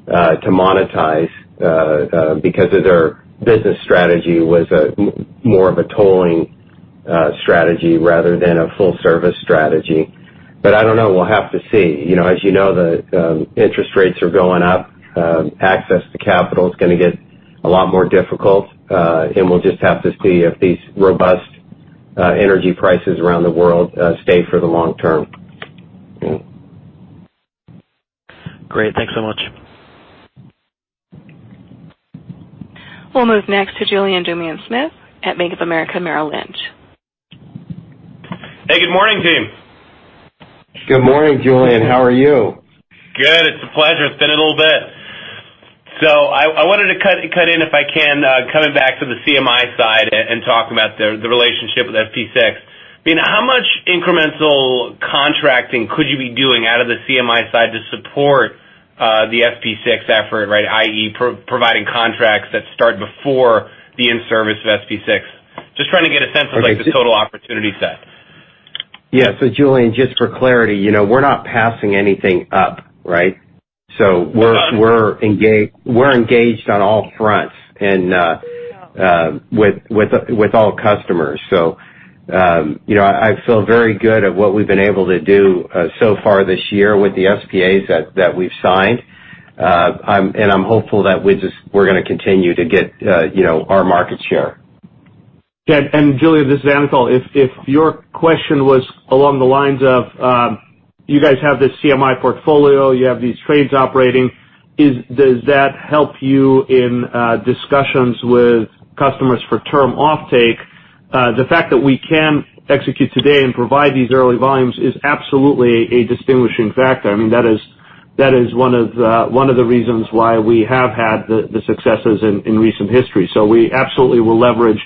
to monetize because of their business strategy was more of a tolling strategy rather than a full-service strategy. I don't know. We'll have to see. As you know, the interest rates are going up. Access to capital is going to get a lot more difficult, we'll just have to see if these robust energy prices around the world stay for the long term. Great. Thanks so much. We'll move next to Julien Dumoulin-Smith at Bank of America Merrill Lynch. Hey, good morning, team. Good morning, Julien. How are you? Good. It's a pleasure. It's been a little bit. I wanted to cut in if I can, coming back to the CMI side and talk about the relationship with SP6. How much incremental contracting could you be doing out of the CMI side to support the SP6 effort? I.e., providing contracts that start before the in-service of SP6. Just trying to get a sense of the total opportunity set. Yeah. Julien, just for clarity, we're not passing anything up. We're engaged on all fronts and with all customers. I feel very good at what we've been able to do so far this year with the SPAs that we've signed. I'm hopeful that we're going to continue to get our market share. Yeah. Julien, this is Anatol. If your question was along the lines of, you guys have this CMI portfolio, you have these trades operating, does that help you in discussions with customers for term offtake? The fact that we can execute today and provide these early volumes is absolutely a distinguishing factor. That is one of the reasons why we have had the successes in recent history. We absolutely will leverage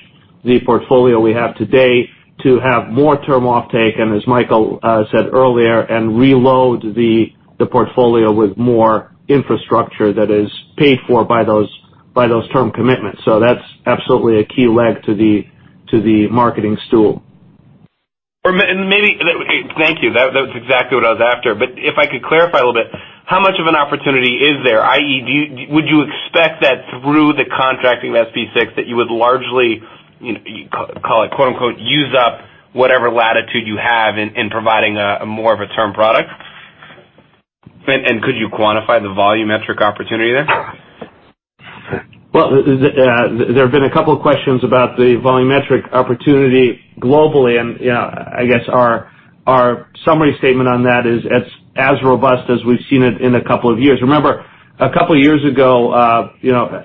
the portfolio we have today to have more term offtake, and as Michael said earlier, and reload the portfolio with more infrastructure that is paid for by those term commitments. That's absolutely a key leg to the marketing stool. Thank you. That was exactly what I was after. If I could clarify a little bit, how much of an opportunity is there, i.e., would you expect that through the contracting of SP6, that you would largely, call it, quote-unquote, "use up" whatever latitude you have in providing more of a term product? Could you quantify the volumetric opportunity there? There have been a couple of questions about the volumetric opportunity globally, I guess our summary statement on that is it's as robust as we've seen it in a couple of years. Remember, a couple of years ago,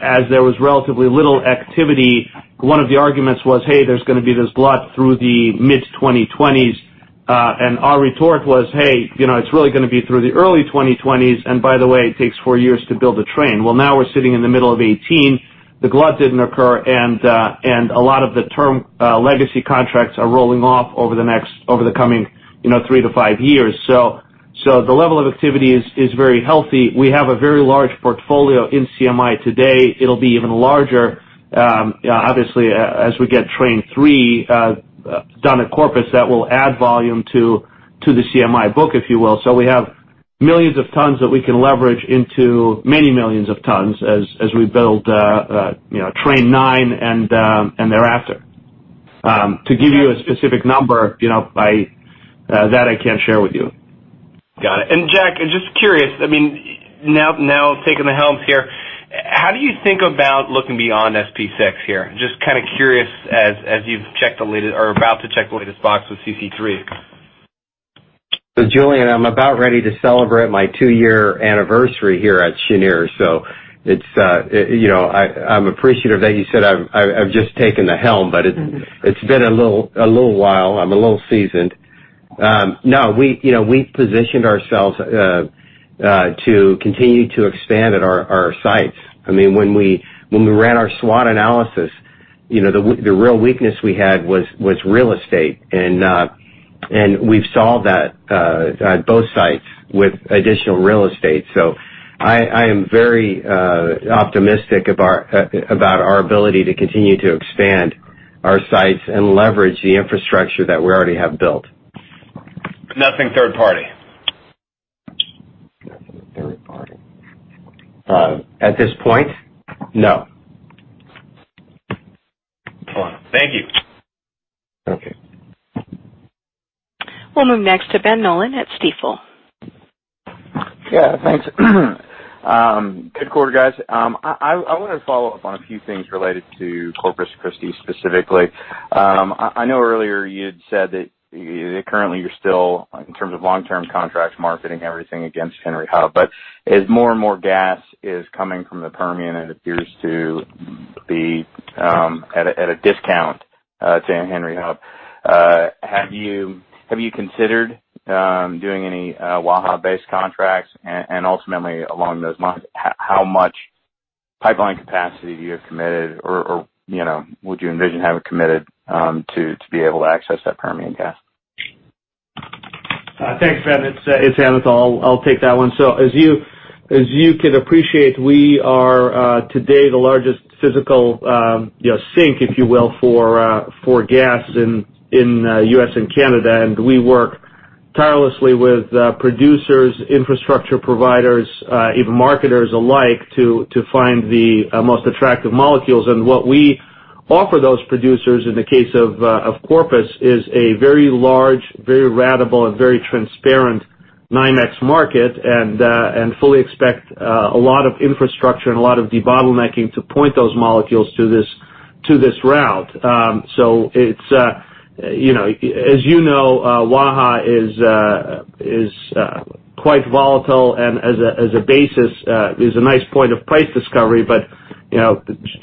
as there was relatively little activity, one of the arguments was, hey, there's going to be this glut through the mid-2020s. Our retort was, hey, it's really going to be through the early 2020s. By the way, it takes four years to build a train. Now we're sitting in the middle of 2018. The glut didn't occur, a lot of the term legacy contracts are rolling off over the coming three to five years. The level of activity is very healthy. We have a very large portfolio in Cheniere Marketing International today. It'll be even larger, obviously, as we get Train 3 done at Corpus. That will add volume to the Cheniere Marketing International book, if you will. We have millions of tons that we can leverage into many millions of tons as we build Train 9 and thereafter. To give you a specific number, that I can't share with you. Got it. Jack, just curious, now taking the helm here, how do you think about looking beyond SP6 here? Just kind of curious as you've checked the latest or about to check the latest box with CC3. Julien, I'm about ready to celebrate my two-year anniversary here at Cheniere, I'm appreciative that you said I've just taken the helm, but it's been a little while. I'm a little seasoned. We positioned ourselves to continue to expand at our sites. When we ran our SWOT analysis, the real weakness we had was real estate, and we've solved that at both sites with additional real estate. I am very optimistic about our ability to continue to expand our sites and leverage the infrastructure that we already have built. Nothing third party. Nothing third party. At this point, no. Thank you. Okay. We'll move next to Ben Nolan at Stifel. Yeah, thanks. Good quarter, guys. I want to follow up on a few things related to Corpus Christi, specifically. I know earlier you'd said that currently you're still, in terms of long-term contracts, marketing everything against Henry Hub. As more and more gas is coming from the Permian, it appears to be at a discount to Henry Hub. Have you considered doing any WAHA-based contracts? Ultimately, along those lines, how much pipeline capacity do you have committed, or would you envision having committed, to be able to access that Permian gas? Thanks, Ben. It's Anatol. I'll take that one. As you can appreciate, we are today the largest physical sink, if you will, for gas in U.S. and Canada. We work tirelessly with producers, infrastructure providers, even marketers alike, to find the most attractive molecules. What we offer those producers in the case of Corpus is a very large, very ratable and very transparent NYMEX market and fully expect a lot of infrastructure and a lot of debottlenecking to point those molecules to this route. As you know, Waha is quite volatile and as a basis is a nice point of price discovery.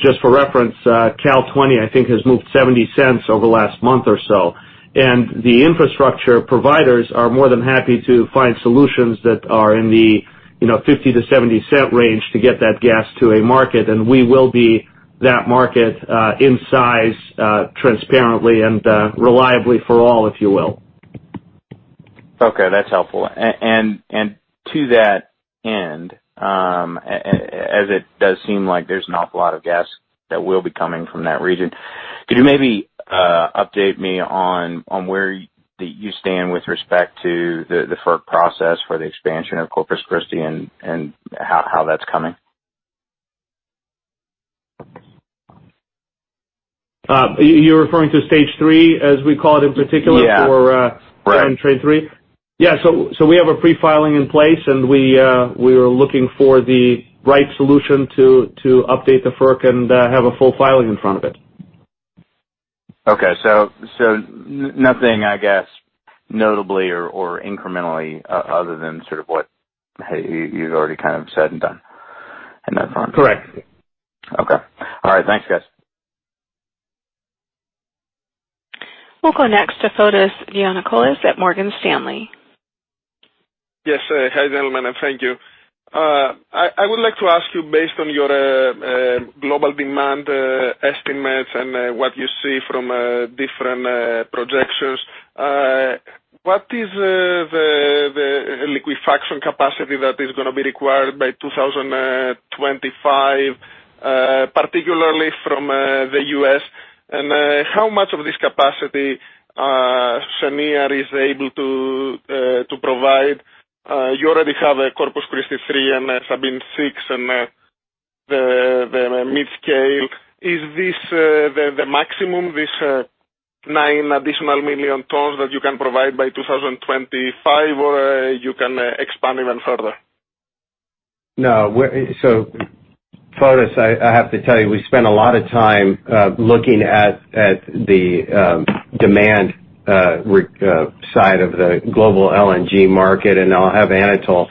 Just for reference, Cal 20, I think, has moved $0.70 over the last month or so. The infrastructure providers are more than happy to find solutions that are in the $0.50-$0.70 range to get that gas to a market. We will be that market in size, transparently and reliably for all, if you will. Okay, that's helpful. To that end, as it does seem like there's an awful lot of gas that will be coming from that region, could you maybe update me on where you stand with respect to the FERC process for the expansion of Corpus Christi and how that's coming? You're referring to stage 3, as we call it, in particular. Yeah for train 3? Yeah. We have a pre-filing in place, and we are looking for the right solution to update the FERC and have a full filing in front of it. Okay. Nothing, I guess, notably or incrementally other than sort of what you'd already kind of said and done in that front. Correct. Okay. All right. Thanks, guys. We'll go next to Fotis Giannakoulis at Morgan Stanley. Yes. Hi, gentlemen, and thank you. I would like to ask you, based on your global demand estimates and what you see from different projections, what is the liquefaction capacity that is going to be required by 2025, particularly from the U.S.? How much of this capacity Cheniere is able to provide? You already have Corpus Christi 3 and Sabine 6 and the mid-scale. Is this the maximum, this nine additional million tons that you can provide by 2025, or you can expand even further? No. Fotis, I have to tell you, we spent a lot of time looking at the demand side of the global LNG market, and I'll have Anatol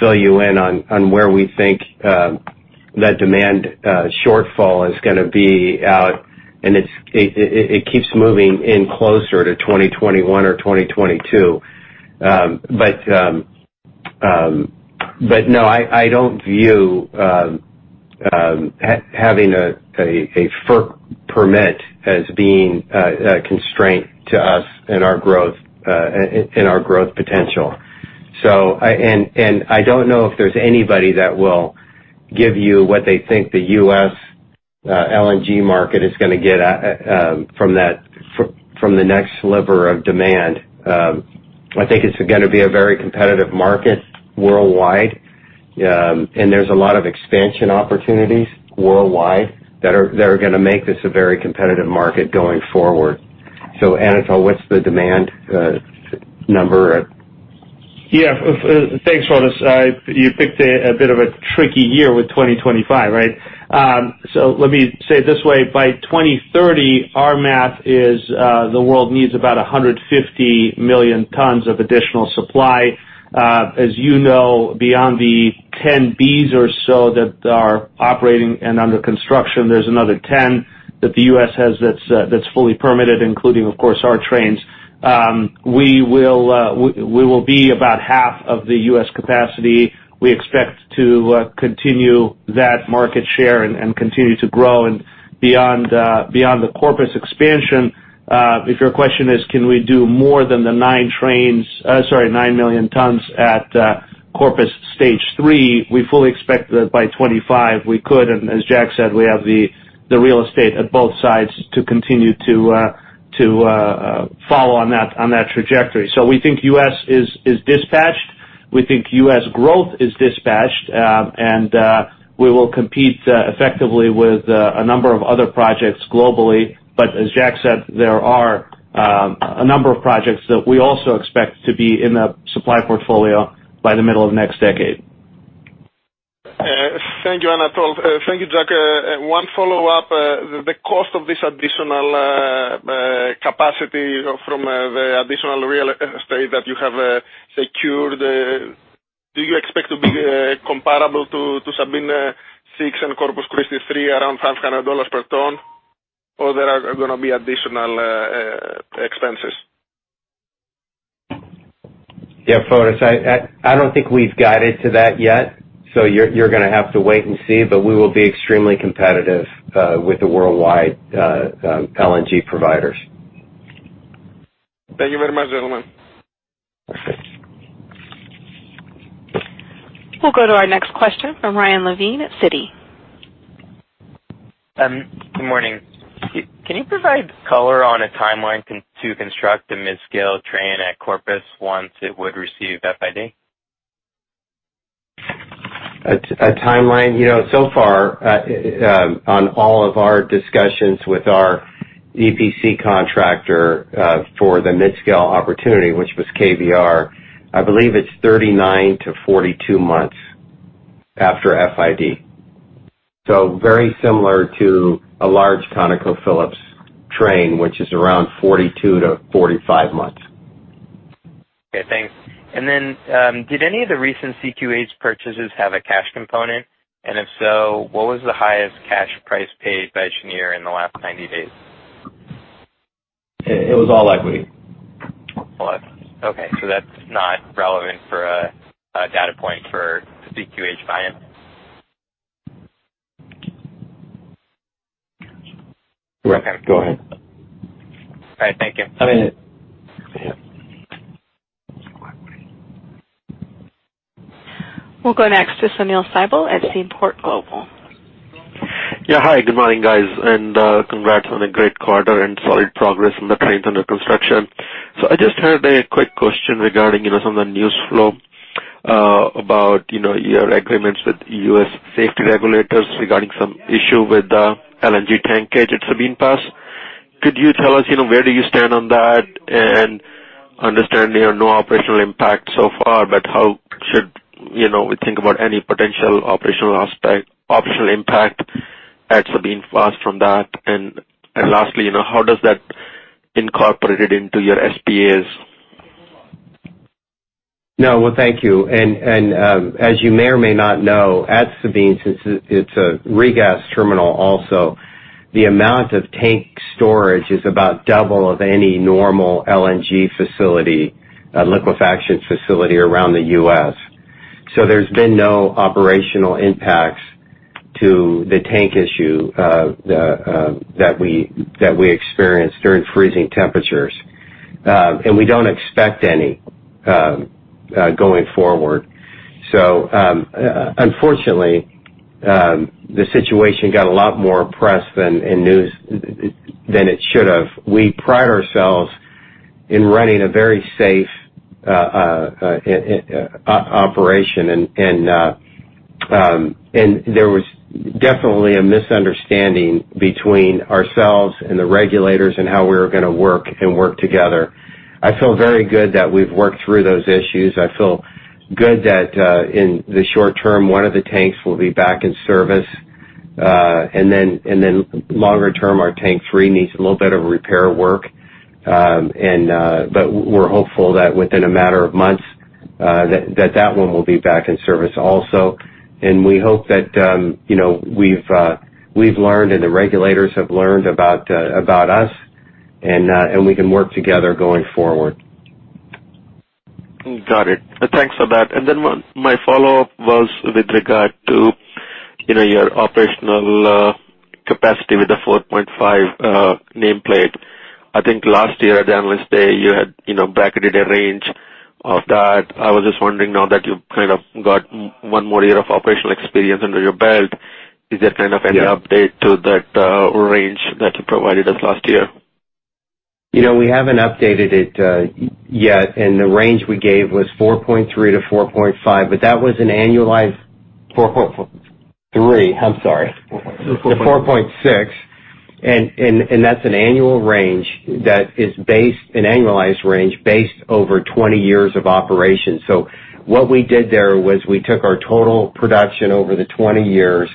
fill you in on where we think that demand shortfall is going to be out. It keeps moving in closer to 2021 or 2022. No, I don't view having a FERC permit as being a constraint to us and our growth potential. I don't know if there's anybody that will give you what they think the U.S. LNG market is going to get from the next sliver of demand. I think it's going to be a very competitive market worldwide, and there's a lot of expansion opportunities worldwide that are going to make this a very competitive market going forward. Anatol, what's the demand number? Yeah. Thanks, Fotis. You picked a bit of a tricky year with 2025, right? Let me say it this way. By 2030, our math is the world needs about 150 million tons of additional supply. As you know, beyond the 10 Bs or so that are operating and under construction, there's another 10 that the U.S. has that's fully permitted, including, of course, our trains. We will be about half of the U.S. capacity. We expect to continue that market share and continue to grow. Beyond the Corpus expansion, if your question is can we do more than the 9 million tons at Corpus stage 3, we fully expect that by 2025 we could. As Jack said, we have the real estate at both sides to continue to follow on that trajectory. We think U.S. is dispatched. We think U.S. growth is dispatched. We will compete effectively with a number of other projects globally. As Jack said, there are a number of projects that we also expect to be in the supply portfolio by the middle of next decade. Thank you, Anatol. Thank you, Jack. One follow-up. The cost of this additional capacity from the additional real estate that you have secured, do you expect to be comparable to Sabine 6 and Corpus Christi 3, around $500 per ton? There are going to be additional expenses? Yeah. Fotis, I don't think we've guided to that yet. You're going to have to wait and see. We will be extremely competitive with the worldwide LNG providers. Thank you very much, gentlemen. Perfect. We'll go to our next question from Ryan Levine at Citi. Good morning. Can you provide color on a timeline to construct the mid-scale train at Corpus once it would receive FID? A timeline? On all of our discussions with our EPC contractor for the mid-scale opportunity, which was KBR, I believe it's 39 months-42 months. After FID. Very similar to a large ConocoPhillips train, which is around 42-45 months. Okay, thanks. Did any of the recent CQH purchases have a cash component? If so, what was the highest cash price paid by Cheniere in the last 90 days? It was all equity. All equity. Okay, that's not relevant for a data point for the CQH buy-in? Reckon. Go ahead. All right, thank you. Yeah. We'll go next to Sunil Sibal at Seaport Global. Yeah. Hi, good morning, guys, and congrats on a great quarter and solid progress on the trains under construction. I just had a quick question regarding some of the news flow about your agreements with U.S. safety regulators regarding some issue with the LNG tank gauge at Sabine Pass. Could you tell us where do you stand on that? I understand there are no operational impact so far, but how should we think about any potential operational aspect, optional impact at Sabine Pass from that? Lastly, how does that incorporate it into your SPAs? Well, thank you. As you may or may not know, at Sabine, since it's a regas terminal also, the amount of tank storage is about double of any normal LNG facility, liquefaction facility around the U.S. There's been no operational impacts to the tank issue that we experienced during freezing temperatures. We don't expect any going forward. Unfortunately, the situation got a lot more press and news than it should have. We pride ourselves in running a very safe operation. There was definitely a misunderstanding between ourselves and the regulators in how we were going to work and work together. I feel very good that we've worked through those issues. I feel good that in the short term, one of the tanks will be back in service. Longer term, our tank 3 needs a little bit of repair work. We're hopeful that within a matter of months, that one will be back in service also. We hope that we've learned and the regulators have learned about us, and we can work together going forward. Got it. Thanks for that. My follow-up was with regard to your operational capacity with the 4.5 nameplate. I think last year at the Analyst Day, you had bracketed a range of that. I was just wondering now that you've kind of got one more year of operational experience under your belt, is there kind of any update to that range that you provided us last year? We haven't updated it yet. The range we gave was 4.3 to 4.5. 4.3. I'm sorry. 4.6. 4.6. That's an annual range that is based, an annualized range based over 20 years of operation. What we did there was we took our total production over the 20 years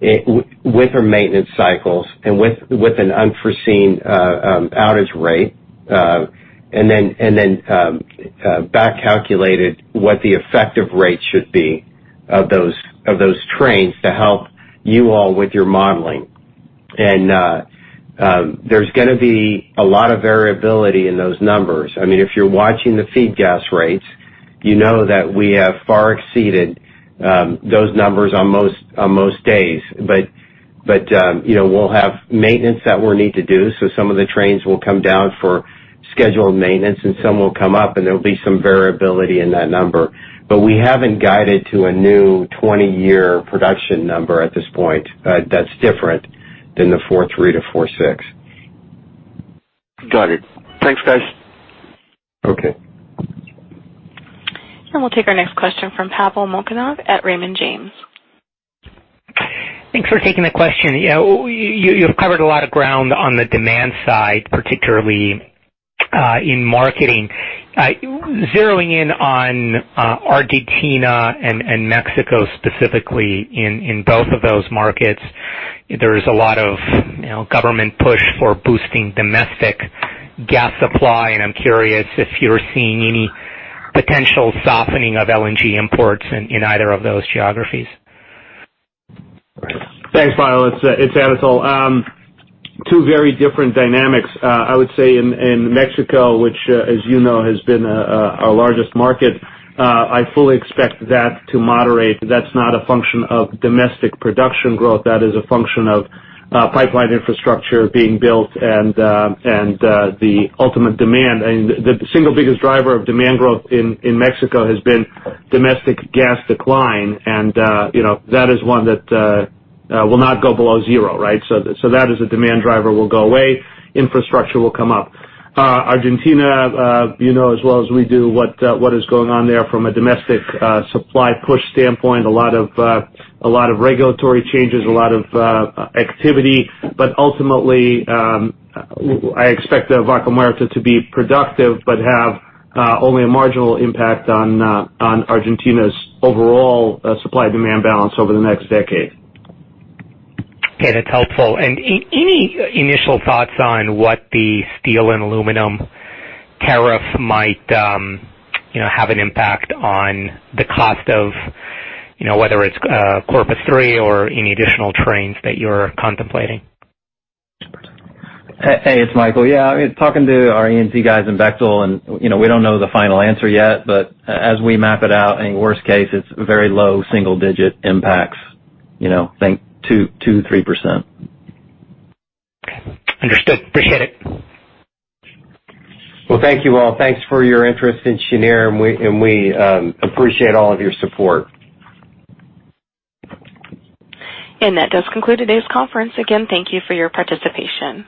with our maintenance cycles and with an unforeseen outage rate, then back calculated what the effective rate should be of those trains to help you all with your modeling. There's going to be a lot of variability in those numbers. If you're watching the feed gas rates, you know that we have far exceeded those numbers on most days. We'll have maintenance that we'll need to do. Some of the trains will come down for scheduled maintenance, and some will come up, and there'll be some variability in that number. We haven't guided to a new 20-year production number at this point that's different than the 4.3 to 4.6. Got it. Thanks, guys. Okay. We'll take our next question from Pavel Molchanov at Raymond James. Thanks for taking the question. You've covered a lot of ground on the demand side, particularly in marketing. Zeroing in on Argentina and Mexico specifically in both of those markets, there is a lot of government push for boosting domestic gas supply. I'm curious if you're seeing any potential softening of LNG imports in either of those geographies. Thanks, Pavel. It's Anatol. Two very different dynamics. I would say in Mexico, which as you know, has been our largest market, I fully expect that to moderate. That's not a function of domestic production growth. That is a function of pipeline infrastructure being built and the ultimate demand. The single biggest driver of demand growth in Mexico has been domestic gas decline, and that is one that will not go below zero, right? That as a demand driver will go away. Infrastructure will come up. Argentina, you know as well as we do what is going on there from a domestic supply push standpoint. A lot of regulatory changes, a lot of activity, ultimately, I expect Vaca Muerta to be productive but have only a marginal impact on Argentina's overall supply-demand balance over the next decade. Okay. That's helpful. Any initial thoughts on what the steel and aluminum tariff might have an impact on the cost of whether it's CC3 or any additional trains that you're contemplating? Hey, it's Michael. Talking to our E&C guys in Bechtel, we don't know the final answer yet, but as we map it out, in worst case, it's very low single-digit impacts. Think 2% to 3%. Okay. Understood. Appreciate it. Well, thank you all. Thanks for your interest in Cheniere, we appreciate all of your support. That does conclude today's conference. Again, thank you for your participation.